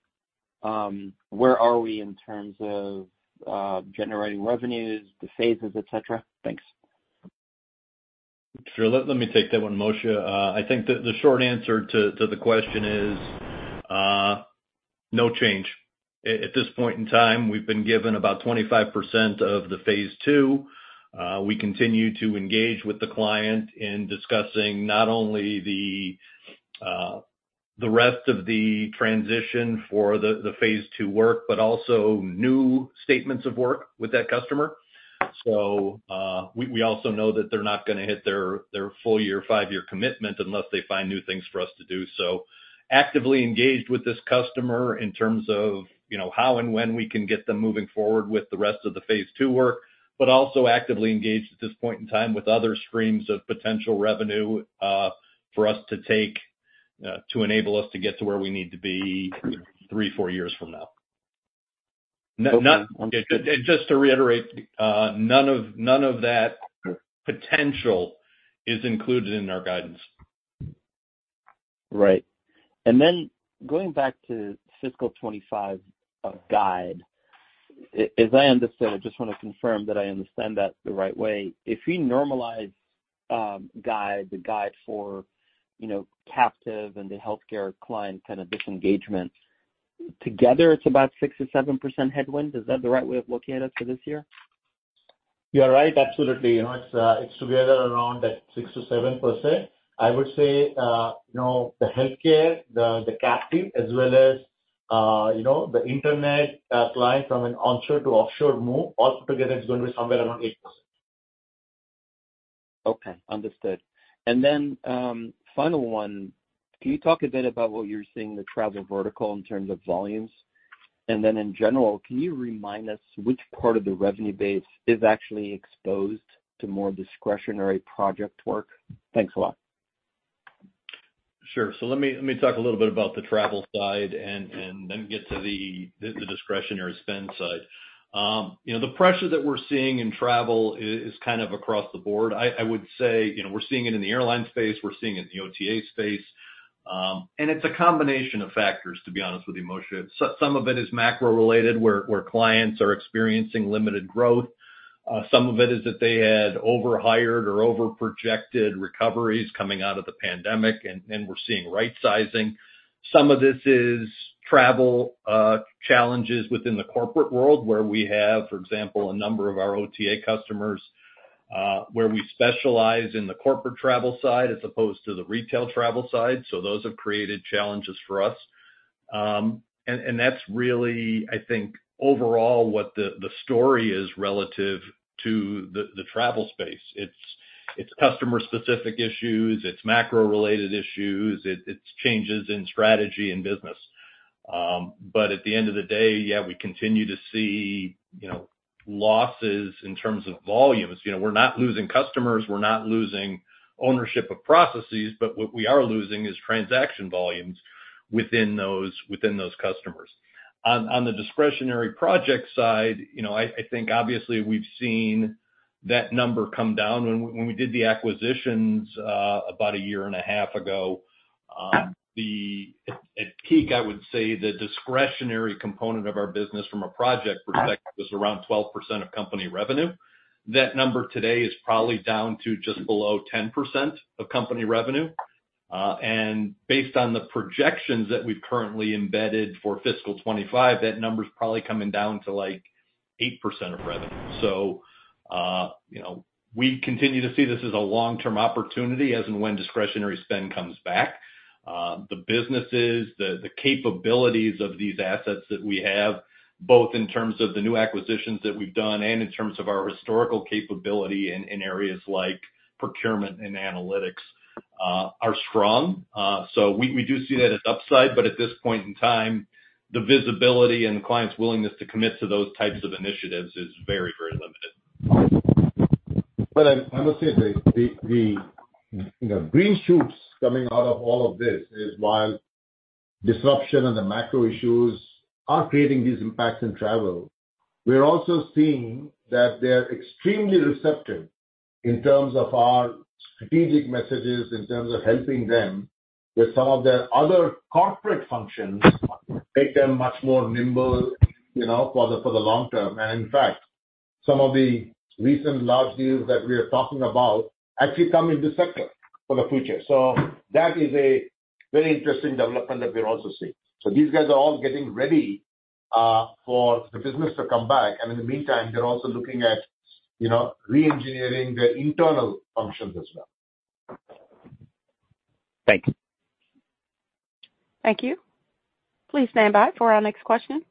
Where are we in terms of generating revenues, the phases, etc.? Thanks. Sure. Let me take that one, Moshe. I think the short answer to the question is no change. At this point in time, we've been given about 25% of the phase II. We continue to engage with the client in discussing not only the rest of the transition for the phase II work but also new statements of work with that customer. So we also know that they're not going to hit their full-year, five year commitment unless they find new things for us to do. So actively engaged with this customer in terms of how and when we can get them moving forward with the rest of the phase II work, but also actively engaged at this point in time with other streams of potential revenue for us to enable us to get to where we need to be three, four years from now. Just to reiterate, none of that potential is included in our guidance. Right. Then going back to fiscal 2025 guide, as I understand it, just want to confirm that I understand that the right way. If we normalize guide, the guide for captive and the healthcare client kind of disengagement, together, it's about 6%-7% headwind. Is that the right way of looking at it for this year? You're right. Absolutely. It's together around that 6%-7%. I would say the healthcare, the captive, as well as the internet client from an onshore to offshore move, altogether, it's going to be somewhere around 8%. Okay. Understood. Then final one, can you talk a bit about what you're seeing, the travel vertical in terms of volumes? And then in general, can you remind us which part of the revenue base is actually exposed to more discretionary project work? Thanks a lot. Sure. So let me talk a little bit about the travel side and then get to the discretionary spend side. The pressure that we're seeing in travel is kind of across the board. I would say we're seeing it in the airline space. We're seeing it in the OTA space. And it's a combination of factors, to be honest with you, Moshe. Some of it is macro-related where clients are experiencing limited growth. Some of it is that they had overhired or overprojected recoveries coming out of the pandemic, and we're seeing right-sizing. Some of this is travel challenges within the corporate world where we have, for example, a number of our OTA customers where we specialize in the corporate travel side as opposed to the retail travel side. So those have created challenges for us. And that's really, I think, overall what the story is relative to the travel space. It's customer-specific issues. It's macro-related issues. It's changes in strategy and business. But at the end of the day, yeah, we continue to see losses in terms of volumes. We're not losing customers. We're not losing ownership of processes. But what we are losing is transaction volumes within those customers. On the discretionary project side, I think obviously, we've seen that number come down. When we did the acquisitions about a year and a half ago, at peak, I would say the discretionary component of our business from a project perspective was around 12% of company revenue. That number today is probably down to just below 10% of company revenue. And based on the projections that we've currently embedded for fiscal 2025, that number's probably coming down to 8% of revenue. So we continue to see this as a long-term opportunity as and when discretionary spend comes back. The businesses, the capabilities of these assets that we have, both in terms of the new acquisitions that we've done and in terms of our historical capability in areas like procurement and analytics, are strong. So we do see that as upside. But at this point in time, the visibility and the client's willingness to commit to those types of initiatives is very, very limited. But I must say the green shoots coming out of all of this is while disruption and the macro issues are creating these impacts in travel, we're also seeing that they're extremely receptive in terms of our strategic messages, in terms of helping them with some of their other corporate functions, make them much more nimble for the long term. And in fact, some of the recent large deals that we are talking about actually come into sector for the future. So that is a very interesting development that we're also seeing. So these guys are all getting ready for the business to come back. And in the meantime, they're also looking at re-engineering their internal functions as well. Thanks. Thank you. Please stand by for our next question.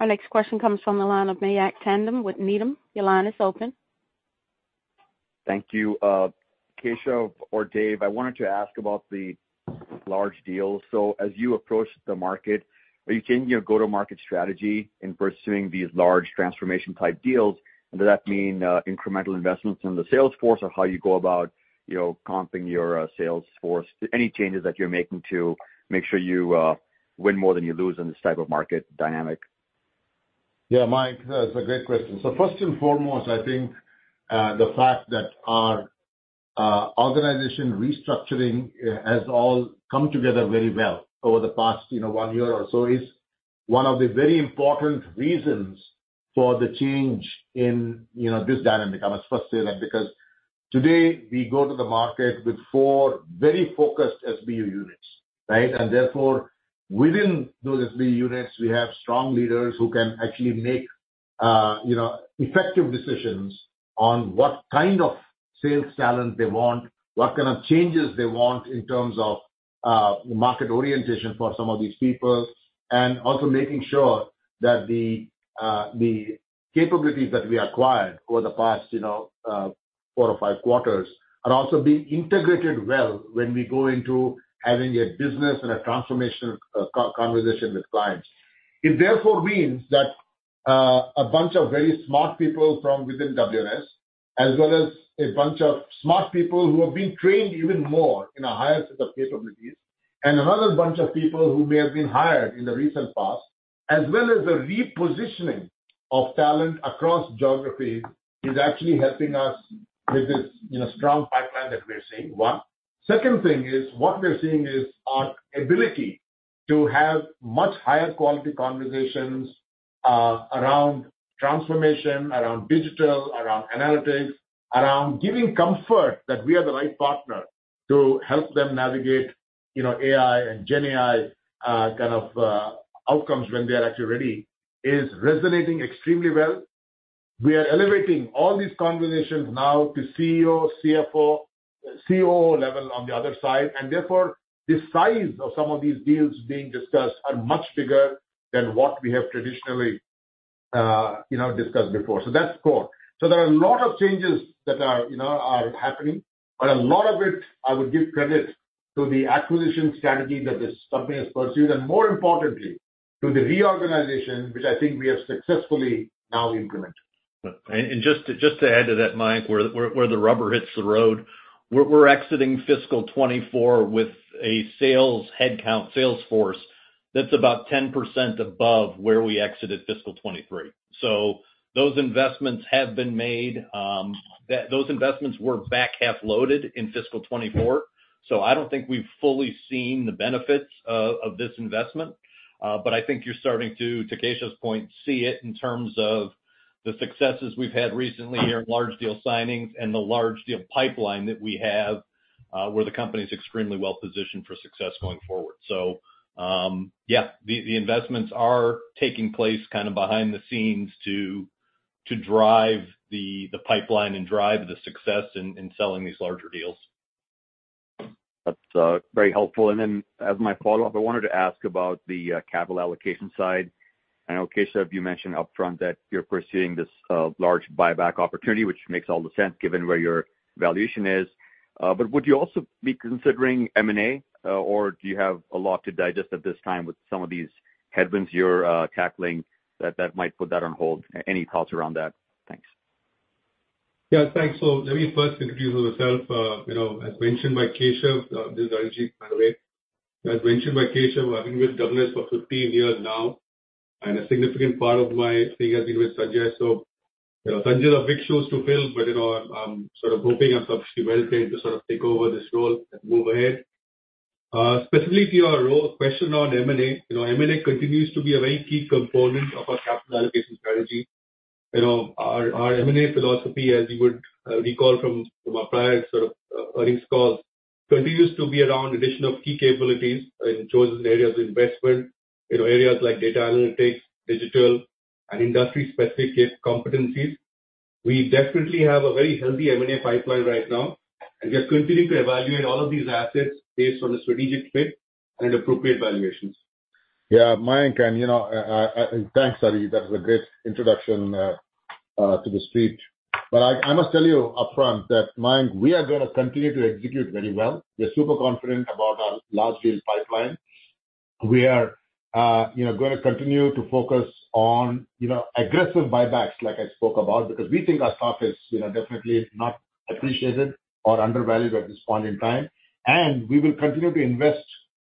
Our next question comes from the line of Mayank Tandon with Needham. Your line is open. Thank you. Keshav or Dave, I wanted to ask about the large deals. As you approach the market, are you changing your go-to-market strategy in pursuing these large transformation-type deals? And does that mean incremental investments in the sales force or how you go about comping your sales force, any changes that you're making to make sure you win more than you lose in this type of market dynamic? Yeah, Mayank, that's a great question. So first and foremost, I think the fact that our organization restructuring has all come together very well over the past one year or so is one of the very important reasons for the change in this dynamic. I must first say that because today, we go to the market with four very focused SBU units, right? And therefore, within those SBU units, we have strong leaders who can actually make effective decisions on what kind of sales talent they want, what kind of changes they want in terms of market orientation for some of these people, and also making sure that the capabilities that we acquired over the past four or five quarters are also being integrated well when we go into having a business and a transformational conversation with clients. It therefore means that a bunch of very smart people from within WNS, as well as a bunch of smart people who have been trained even more in a higher set of capabilities, and another bunch of people who may have been hired in the recent past, as well as a repositioning of talent across geographies, is actually helping us with this strong pipeline that we're seeing, one. Second thing is what we're seeing is our ability to have much higher-quality conversations around transformation, around digital, around analytics, around giving comfort that we are the right partner to help them navigate AI and GenAI kind of outcomes when they are actually ready is resonating extremely well. We are elevating all these conversations now to CEO, CFO, COO level on the other side. Therefore, the size of some of these deals being discussed are much bigger than what we have traditionally discussed before. That's core. There are a lot of changes that are happening. But a lot of it, I would give credit to the acquisition strategy that this company has pursued and, more importantly, to the reorganization, which I think we have successfully now implemented. And just to add to that, Mike, where the rubber hits the road, we're exiting fiscal 2024 with a sales headcount, sales force that's about 10% above where we exited fiscal 2023. So those investments have been made. Those investments were back half-loaded in fiscal 2024. So I don't think we've fully seen the benefits of this investment. But I think you're starting to, to Keshav's point, see it in terms of the successes we've had recently here in large deal signings and the large deal pipeline that we have where the company's extremely well-positioned for success going forward. So yeah, the investments are taking place kind of behind the scenes to drive the pipeline and drive the success in selling these larger deals. That's very helpful. Then as my follow-up, I wanted to ask about the capital allocation side. I know, Keshav, you mentioned upfront that you're pursuing this large buyback opportunity, which makes all the sense given where your valuation is. But would you also be considering M&A? Or do you have a lot to digest at this time with some of these headwinds you're tackling that might put that on hold? Any thoughts around that? Thanks. Yeah, thanks. So let me first introduce myself. As mentioned by Keshav, this is Arijit, by the way. As mentioned by Keshav, I've been with WNS for 15 years now. And a significant part of my thing has been with Sanjay. So Sanjay's a big shoe to fill. But I'm sort of hoping I'm sufficiently well trained to sort of take over this role and move ahead. Specifically to your role, a question on M&A. M&A continues to be a very key component of our capital allocation strategy. Our M&A philosophy, as you would recall from our prior sort of earnings calls, continues to be around addition of key capabilities in areas of investment, areas like data analytics, digital, and industry-specific competencies. We definitely have a very healthy M&A pipeline right now. And we are continuing to evaluate all of these assets based on a strategic fit and appropriate valuations. Yeah, Mike, and thanks, Arijit. That was a great introduction to the Street. But I must tell you upfront that, Mike, we are going to continue to execute very well. We're super confident about our large deal pipeline. We are going to continue to focus on aggressive buybacks like I spoke about because we think our stock is definitely not appreciated or undervalued at this point in time. And we will continue to invest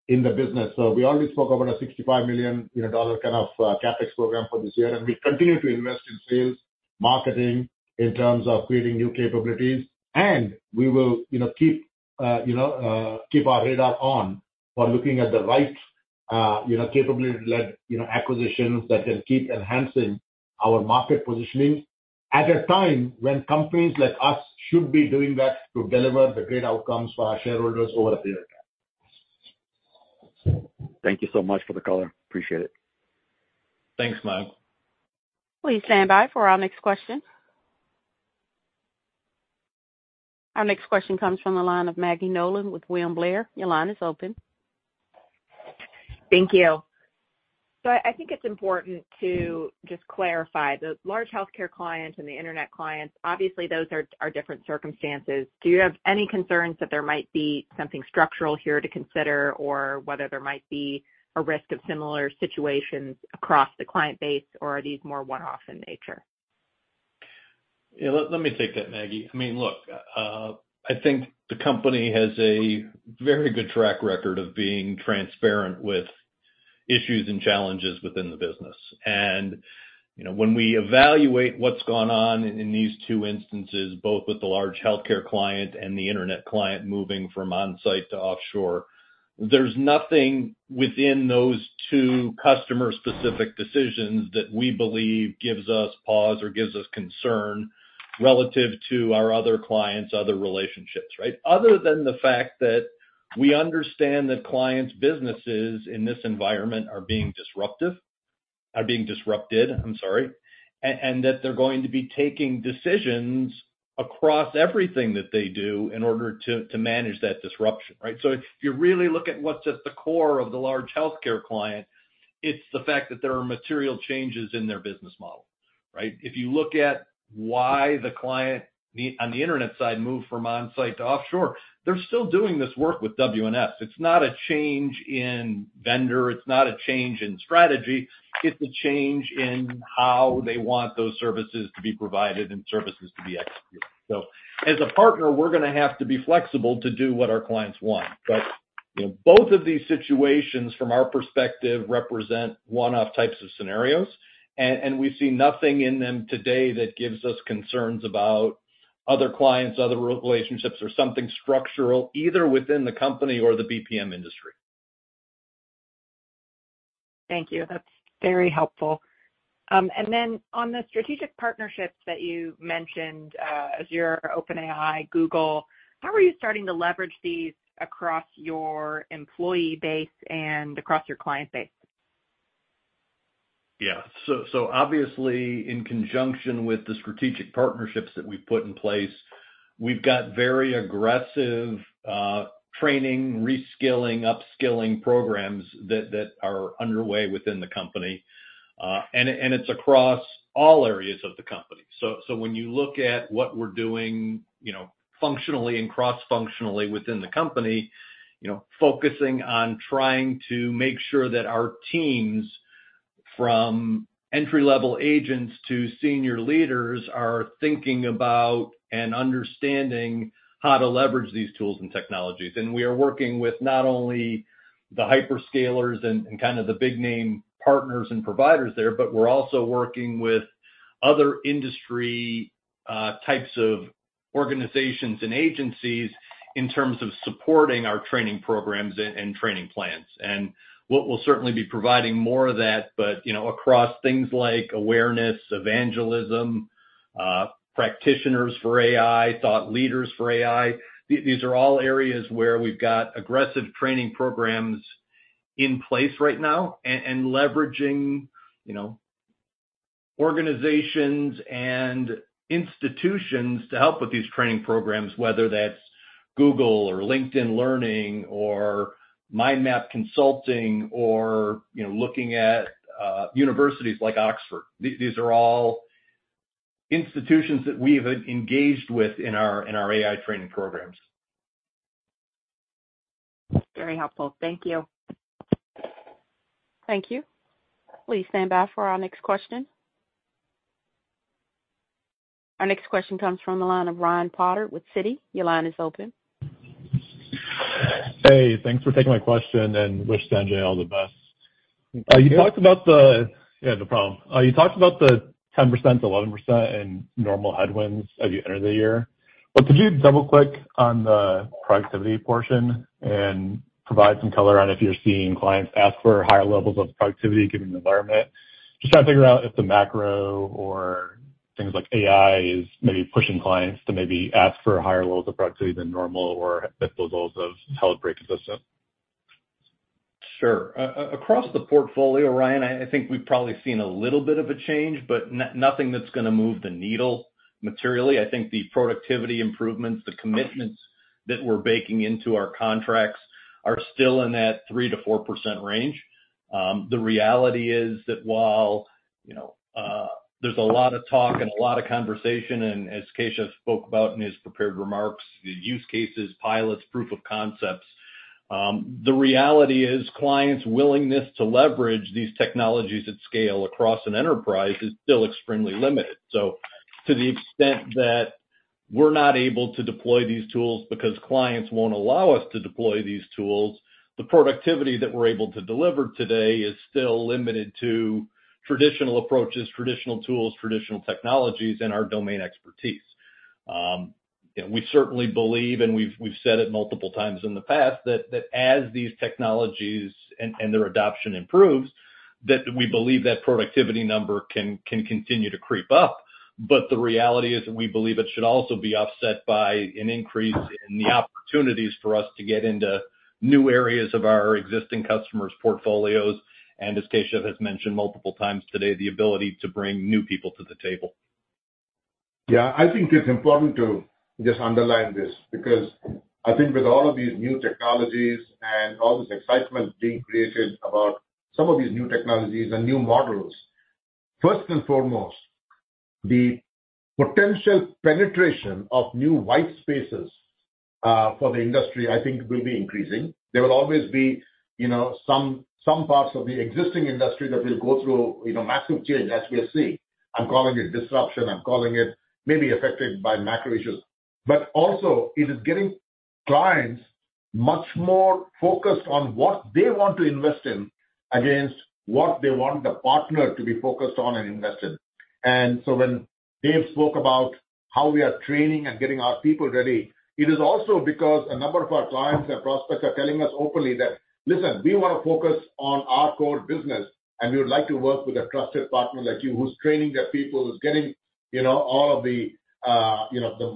in the business. So we already spoke about a $65 million kind of CapEx program for this year. And we'll continue to invest in sales, marketing in terms of creating new capabilities. We will keep our radar on for looking at the right capability-led acquisitions that can keep enhancing our market positioning at a time when companies like us should be doing that to deliver the great outcomes for our shareholders over a period of time. Thank you so much for the color. Appreciate it. Thanks, Mike. Will you stand by for our next question? Our next question comes from the line of Maggie Nolan with William Blair. Your line is open. Thank you. So I think it's important to just clarify. The large healthcare client and the internet client, obviously, those are different circumstances. Do you have any concerns that there might be something structural here to consider or whether there might be a risk of similar situations across the client base? Or are these more one-off in nature? Yeah, let me take that, Maggie. I mean, look, I think the company has a very good track record of being transparent with issues and challenges within the business. When we evaluate what's gone on in these two instances, both with the large healthcare client and the internet client moving from on-site to offshore, there's nothing within those two customer-specific decisions that we believe gives us pause or gives us concern relative to our other clients, other relationships, right, other than the fact that we understand that clients' businesses in this environment are being disruptive, are being disrupted, I'm sorry, and that they're going to be taking decisions across everything that they do in order to manage that disruption, right? So if you really look at what's at the core of the large healthcare client, it's the fact that there are material changes in their business model, right? If you look at why the client on the internet side moved from on-site to offshore, they're still doing this work with WNS. It's not a change in vendor. It's not a change in strategy. It's a change in how they want those services to be provided and services to be executed. So as a partner, we're going to have to be flexible to do what our clients want. But both of these situations, from our perspective, represent one-off types of scenarios. And we see nothing in them today that gives us concerns about other clients, other relationships, or something structural either within the company or the BPM industry. Thank you. That's very helpful. Then on the strategic partnerships that you mentioned, Azure, OpenAI, Google, how are you starting to leverage these across your employee base and across your client base? Yeah. Obviously, in conjunction with the strategic partnerships that we've put in place, we've got very aggressive training, reskilling, upskilling programs that are underway within the company. It's across all areas of the company. When you look at what we're doing functionally and cross-functionally within the company, focusing on trying to make sure that our teams, from entry-level agents to senior leaders, are thinking about and understanding how to leverage these tools and technologies. We are working with not only the hyperscalers and kind of the big-name partners and providers there, but we're also working with other industry types of organizations and agencies in terms of supporting our training programs and training plans. We'll certainly be providing more of that, but across things like awareness, evangelism, practitioners for AI, thought leaders for AI, these are all areas where we've got aggressive training programs in place right now and leveraging organizations and institutions to help with these training programs, whether that's Google or LinkedIn Learning or MindMap Consulting or looking at universities like Oxford. These are all institutions that we have engaged with in our AI training programs. Very helpful. Thank you. Thank you. Will you stand by for our next question? Our next question comes from the line of Ryan Potter with Citi. Your line is open. Hey, thanks for taking my question and wish Sanjay all the best. You talked about the yeah, no problem. You talked about the 10%-11% in normal headwinds as you entered the year. But could you double-click on the productivity portion and provide some color on if you're seeing clients ask for higher levels of productivity given the environment? Just trying to figure out if the macro or things like AI is maybe pushing clients to maybe ask for higher levels of productivity than normal or if those levels have held pretty consistent. Sure. Across the portfolio, Ryan, I think we've probably seen a little bit of a change, but nothing that's going to move the needle materially. I think the productivity improvements, the commitments that we're baking into our contracts are still in that 3%-4% range. The reality is that while there's a lot of talk and a lot of conversation, and as Keshav spoke about in his prepared remarks, the use cases, pilots, proof of concepts, the reality is clients' willingness to leverage these technologies at scale across an enterprise is still extremely limited. So to the extent that we're not able to deploy these tools because clients won't allow us to deploy these tools, the productivity that we're able to deliver today is still limited to traditional approaches, traditional tools, traditional technologies, and our domain expertise. We certainly believe, and we've said it multiple times in the past, that as these technologies and their adoption improves, that we believe that productivity number can continue to creep up. But the reality is that we believe it should also be offset by an increase in the opportunities for us to get into new areas of our existing customers' portfolios. And as Keshav has mentioned multiple times today, the ability to bring new people to the table. Yeah, I think it's important to just underline this because I think with all of these new technologies and all this excitement being created about some of these new technologies and new models, first and foremost, the potential penetration of new white spaces for the industry, I think, will be increasing. There will always be some parts of the existing industry that will go through massive change as we are seeing. I'm calling it disruption. I'm calling it maybe affected by macro issues. But also, it is getting clients much more focused on what they want to invest in against what they want the partner to be focused on and invest in. And so when Dave spoke about how we are training and getting our people ready, it is also because a number of our clients and prospects are telling us openly that, "Listen, we want to focus on our core business. And we would like to work with a trusted partner like you who's training their people, who's getting all of the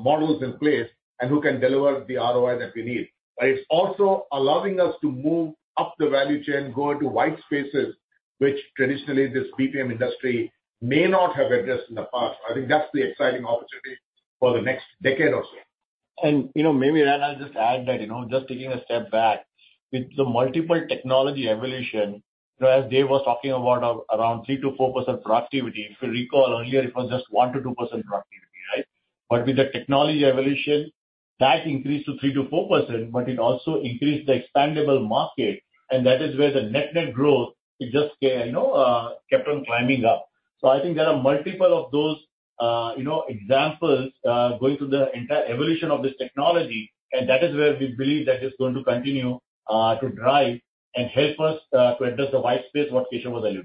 models in place, and who can deliver the ROI that we need." But it's also allowing us to move up the value chain, go into white spaces, which traditionally, this BPM industry may not have addressed in the past. So I think that's the exciting opportunity for the next decade or so. And maybe, Ryan, I'll just add that just taking a step back, with the multiple technology evolution, as Dave was talking about around 3%-4% productivity, if you recall earlier, it was just 1%-2% productivity, right? But with the technology evolution, that increased to 3%-4%. But it also increased the expandable market. And that is where the net-net growth, it just kept on climbing up. So I think there are multiple of those examples going through the entire evolution of this technology. And that is where we believe that it's going to continue to drive and help us to address the white space, what Keshav was alluding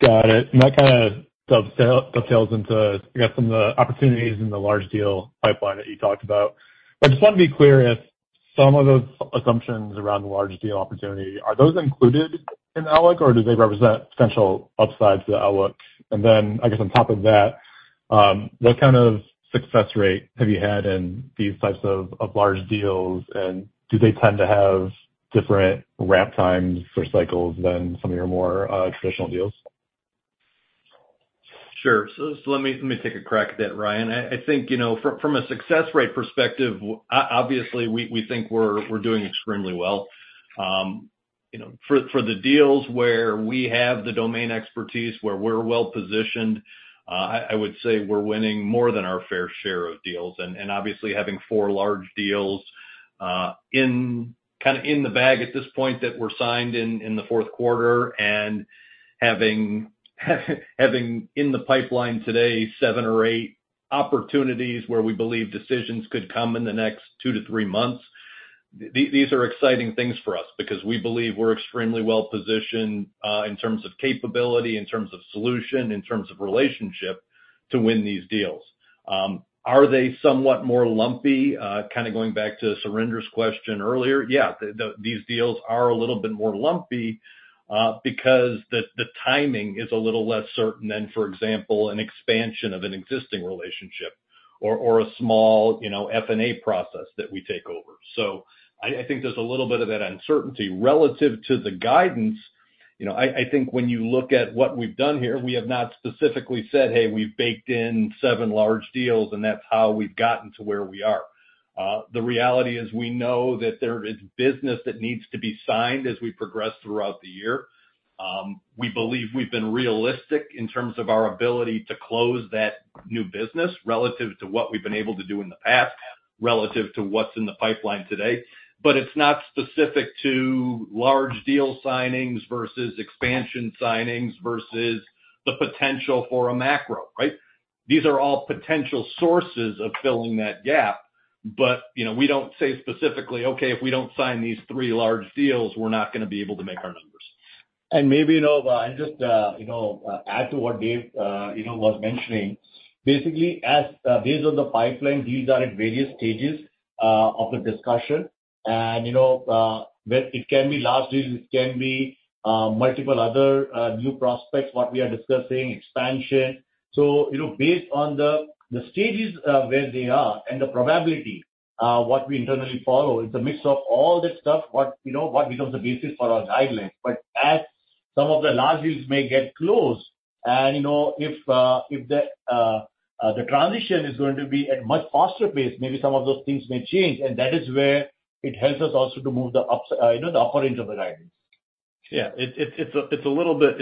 to. Got it. And that kind of dovetails into, I guess, some of the opportunities in the large deal pipeline that you talked about. But I just want to be clear if some of those assumptions around the large deal opportunity, are those included in the outlook? Or do they represent potential upsides to the outlook? And then, I guess, on top of that, what kind of success rate have you had in these types of large deals? And do they tend to have different ramp times or cycles than some of your more traditional deals? Sure. So let me take a crack at that, Ryan. I think from a success rate perspective, obviously, we think we're doing extremely well. For the deals where we have the domain expertise, where we're well-positioned, I would say we're winning more than our fair share of deals. And obviously, having four large deals kind of in the bag at this point that were signed in the fourth quarter and having in the pipeline today seven or eight opportunities where we believe decisions could come in the next 2-3 months, these are exciting things for us because we believe we're extremely well-positioned in terms of capability, in terms of solution, in terms of relationship to win these deals. Are they somewhat more lumpy? Kind of going back to Surinder's question earlier, yeah, these deals are a little bit more lumpy because the timing is a little less certain than, for example, an expansion of an existing relationship or a small F&A process that we take over. So I think there's a little bit of that uncertainty relative to the guidance. I think when you look at what we've done here, we have not specifically said, "Hey, we've baked in seven large deals, and that's how we've gotten to where we are." The reality is we know that there is business that needs to be signed as we progress throughout the year. We believe we've been realistic in terms of our ability to close that new business relative to what we've been able to do in the past relative to what's in the pipeline today. It's not specific to large deal signings versus expansion signings versus the potential for a macro, right? These are all potential sources of filling that gap. We don't say specifically, "Okay, if we don't sign these three large deals, we're not going to be able to make our numbers. Maybe, Ryan, I'll just add to what Dave was mentioning. Basically, as these are the pipeline, these are at various stages of the discussion. It can be large deals. It can be multiple other new prospects, what we are discussing, expansion. Based on the stages where they are and the probability, what we internally follow, it's a mix of all that stuff, what becomes the basis for our guidelines. But as some of the large deals may get closed, and if the transition is going to be at a much faster pace, maybe some of those things may change. That is where it helps us also to move the upper end of the guidelines. Yeah. It's a little bit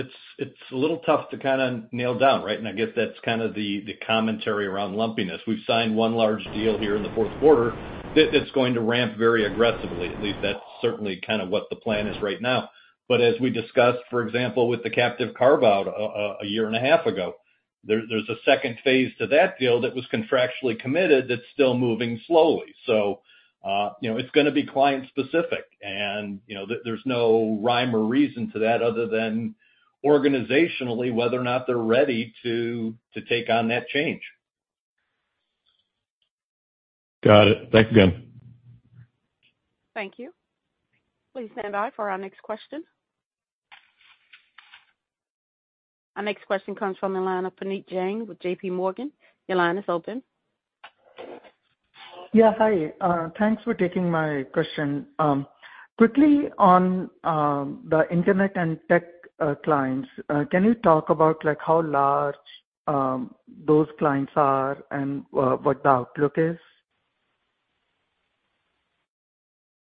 tough to kind of nail down, right? And I guess that's kind of the commentary around lumpiness. We've signed one large deal here in the fourth quarter that's going to ramp very aggressively. At least that's certainly kind of what the plan is right now. But as we discussed, for example, with the captive carve-out a year and a half ago, there's a second phase to that deal that was contractually committed that's still moving slowly. So it's going to be client-specific. And there's no rhyme or reason to that other than organizationally, whether or not they're ready to take on that change. Got it. Thanks again. Thank you. Will you stand by for our next question? Our next question comes from the line of Puneet Jain with JPMorgan. Your line is open. Yeah, hi. Thanks for taking my question. Quickly, on the internet and tech clients, can you talk about how large those clients are and what the outlook is?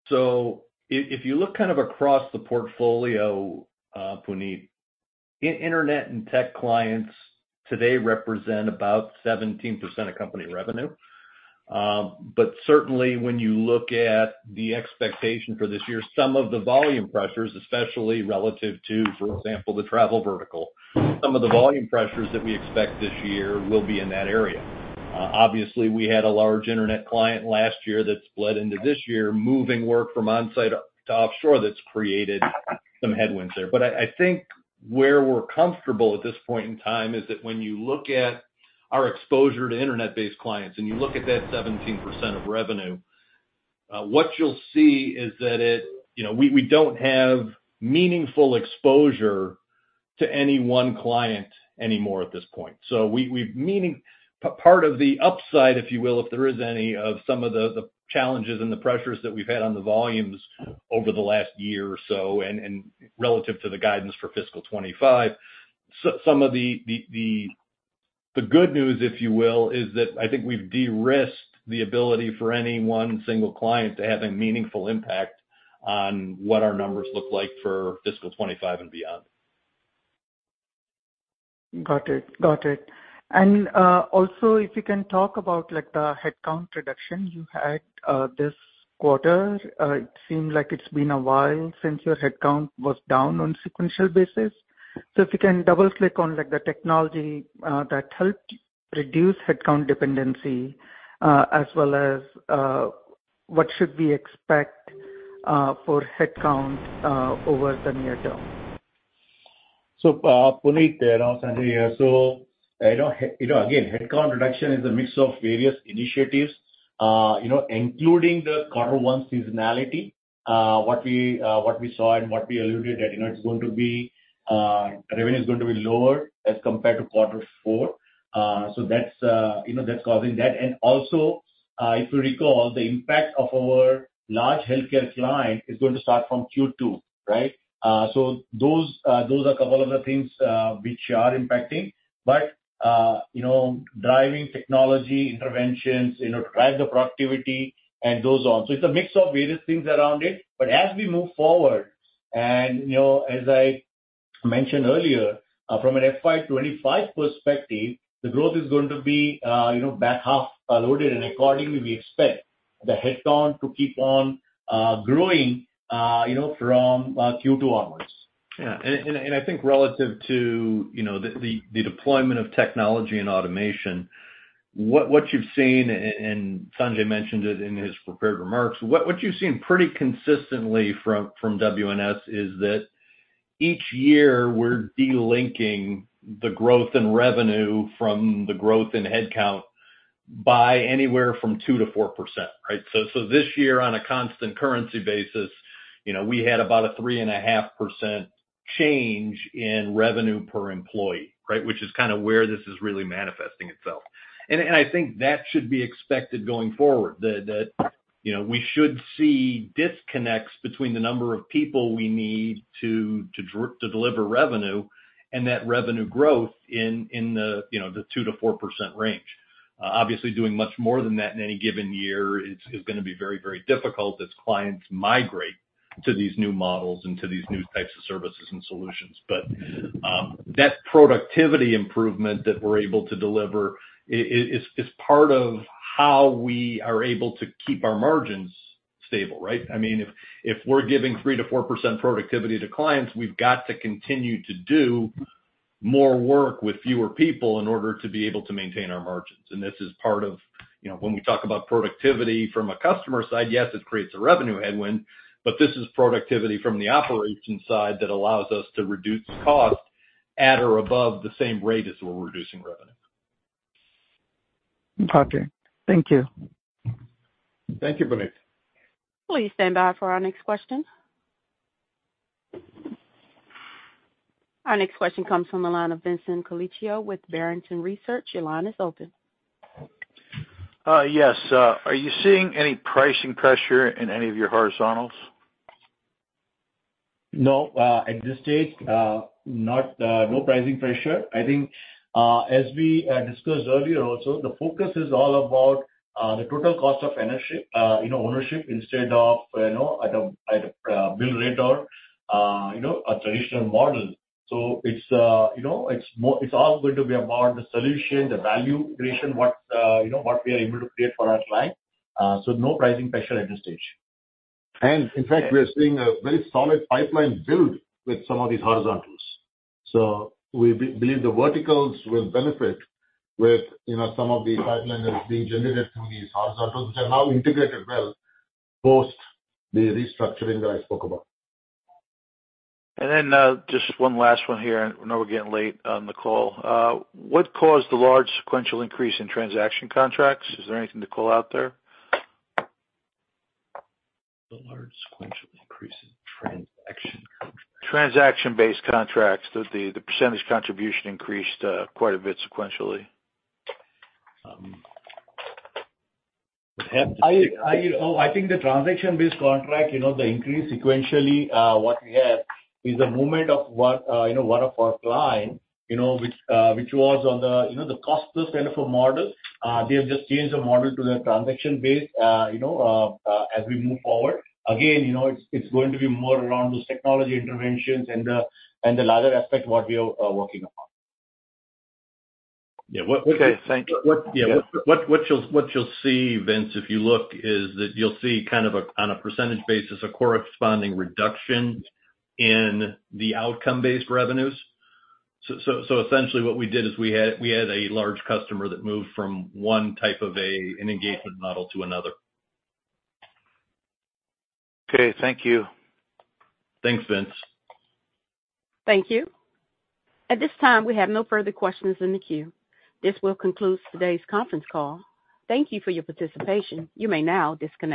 So if you look kind of across the portfolio, Puneet, internet and tech clients today represent about 17% of company revenue. But certainly, when you look at the expectation for this year, some of the volume pressures, especially relative to, for example, the travel vertical, some of the volume pressures that we expect this year will be in that area. Obviously, we had a large internet client last year that split into this year, moving work from onsite to offshore that's created some headwinds there. But I think where we're comfortable at this point in time is that when you look at our exposure to internet-based clients and you look at that 17% of revenue, what you'll see is that we don't have meaningful exposure to any one client anymore at this point. So part of the upside, if you will, if there is any, of some of the challenges and the pressures that we've had on the volumes over the last year or so and relative to the guidance for fiscal 2025, some of the good news, if you will, is that I think we've de-risked the ability for any one single client to have a meaningful impact on what our numbers look like for fiscal 2025 and beyond. Got it. Got it. And also, if you can talk about the headcount reduction you had this quarter, it seemed like it's been a while since your headcount was down on a sequential basis. So if you can double-click on the technology that helped reduce headcount dependency as well as what should we expect for headcount over the near term? So Puneet there, now Sanjay here. So again, headcount reduction is a mix of various initiatives, including the quarter one seasonality, what we saw and what we alluded that it's going to be revenue is going to be lower as compared to quarter four. So that's causing that. And also, if you recall, the impact of our large healthcare client is going to start from Q2, right? So those are a couple of the things which are impacting. But driving technology interventions to drive the productivity and those on. So it's a mix of various things around it. But as we move forward, and as I mentioned earlier, from an FY 2025 perspective, the growth is going to be back half-loaded. And accordingly, we expect the headcount to keep on growing from Q2 onwards. Yeah. And I think relative to the deployment of technology and automation, what you've seen, and Sanjay mentioned it in his prepared remarks, what you've seen pretty consistently from WNS is that each year, we're delinking the growth in revenue from the growth in headcount by anywhere from 2%-4%, right? So this year, on a constant currency basis, we had about a 3.5% change in revenue per employee, right, which is kind of where this is really manifesting itself. And I think that should be expected going forward, that we should see disconnects between the number of people we need to deliver revenue and that revenue growth in the 2%-4% range. Obviously, doing much more than that in any given year is going to be very, very difficult as clients migrate to these new models and to these new types of services and solutions. But that productivity improvement that we're able to deliver, it's part of how we are able to keep our margins stable, right? I mean, if we're giving 3%-4% productivity to clients, we've got to continue to do more work with fewer people in order to be able to maintain our margins. And this is part of when we talk about productivity from a customer side, yes, it creates a revenue headwind. But this is productivity from the operations side that allows us to reduce cost at or above the same rate as we're reducing revenue. Got it. Thank you. Thank you, Puneet. Will you stand by for our next question? Our next question comes from the line of Vincent Colicchio with Barrington Research. Your line is open. Yes. Are you seeing any pricing pressure in any of your horizontals? No, at this stage, no pricing pressure. I think, as we discussed earlier also, the focus is all about the total cost of ownership instead of at a bill rate or a traditional model. So it's all going to be about the solution, the value creation, what we are able to create for our client. So no pricing pressure at this stage. In fact, we are seeing a very solid pipeline build with some of these horizontals. We believe the verticals will benefit with some of the pipeline that is being generated through these horizontals, which are now integrated well post the restructuring that I spoke about. And then just one last one here. I know we're getting late on the call. What caused the large sequential increase in transaction contracts? Is there anything to call out there? The large sequential increase in transaction contracts. Transaction-based contracts, the percentage contribution increased quite a bit sequentially. I think the transaction-based contract, the increase sequentially, what we have is a movement of one of our clients, which was on the cost-plus end of a model. They have just changed the model to their transaction-based as we move forward. Again, it's going to be more around those technology interventions and the latter aspect, what we are working on. Yeah. What should. Okay. Thanks. Yeah. What you'll see, Vince, if you look, is that you'll see kind of, on a percentage basis, a corresponding reduction in the outcome-based revenues. So essentially, what we did is we had a large customer that moved from one type of an engagement model to another. Okay. Thank you. Thanks, Vince. Thank you. At this time, we have no further questions in the queue. This will conclude today's conference call. Thank you for your participation. You may now disconnect.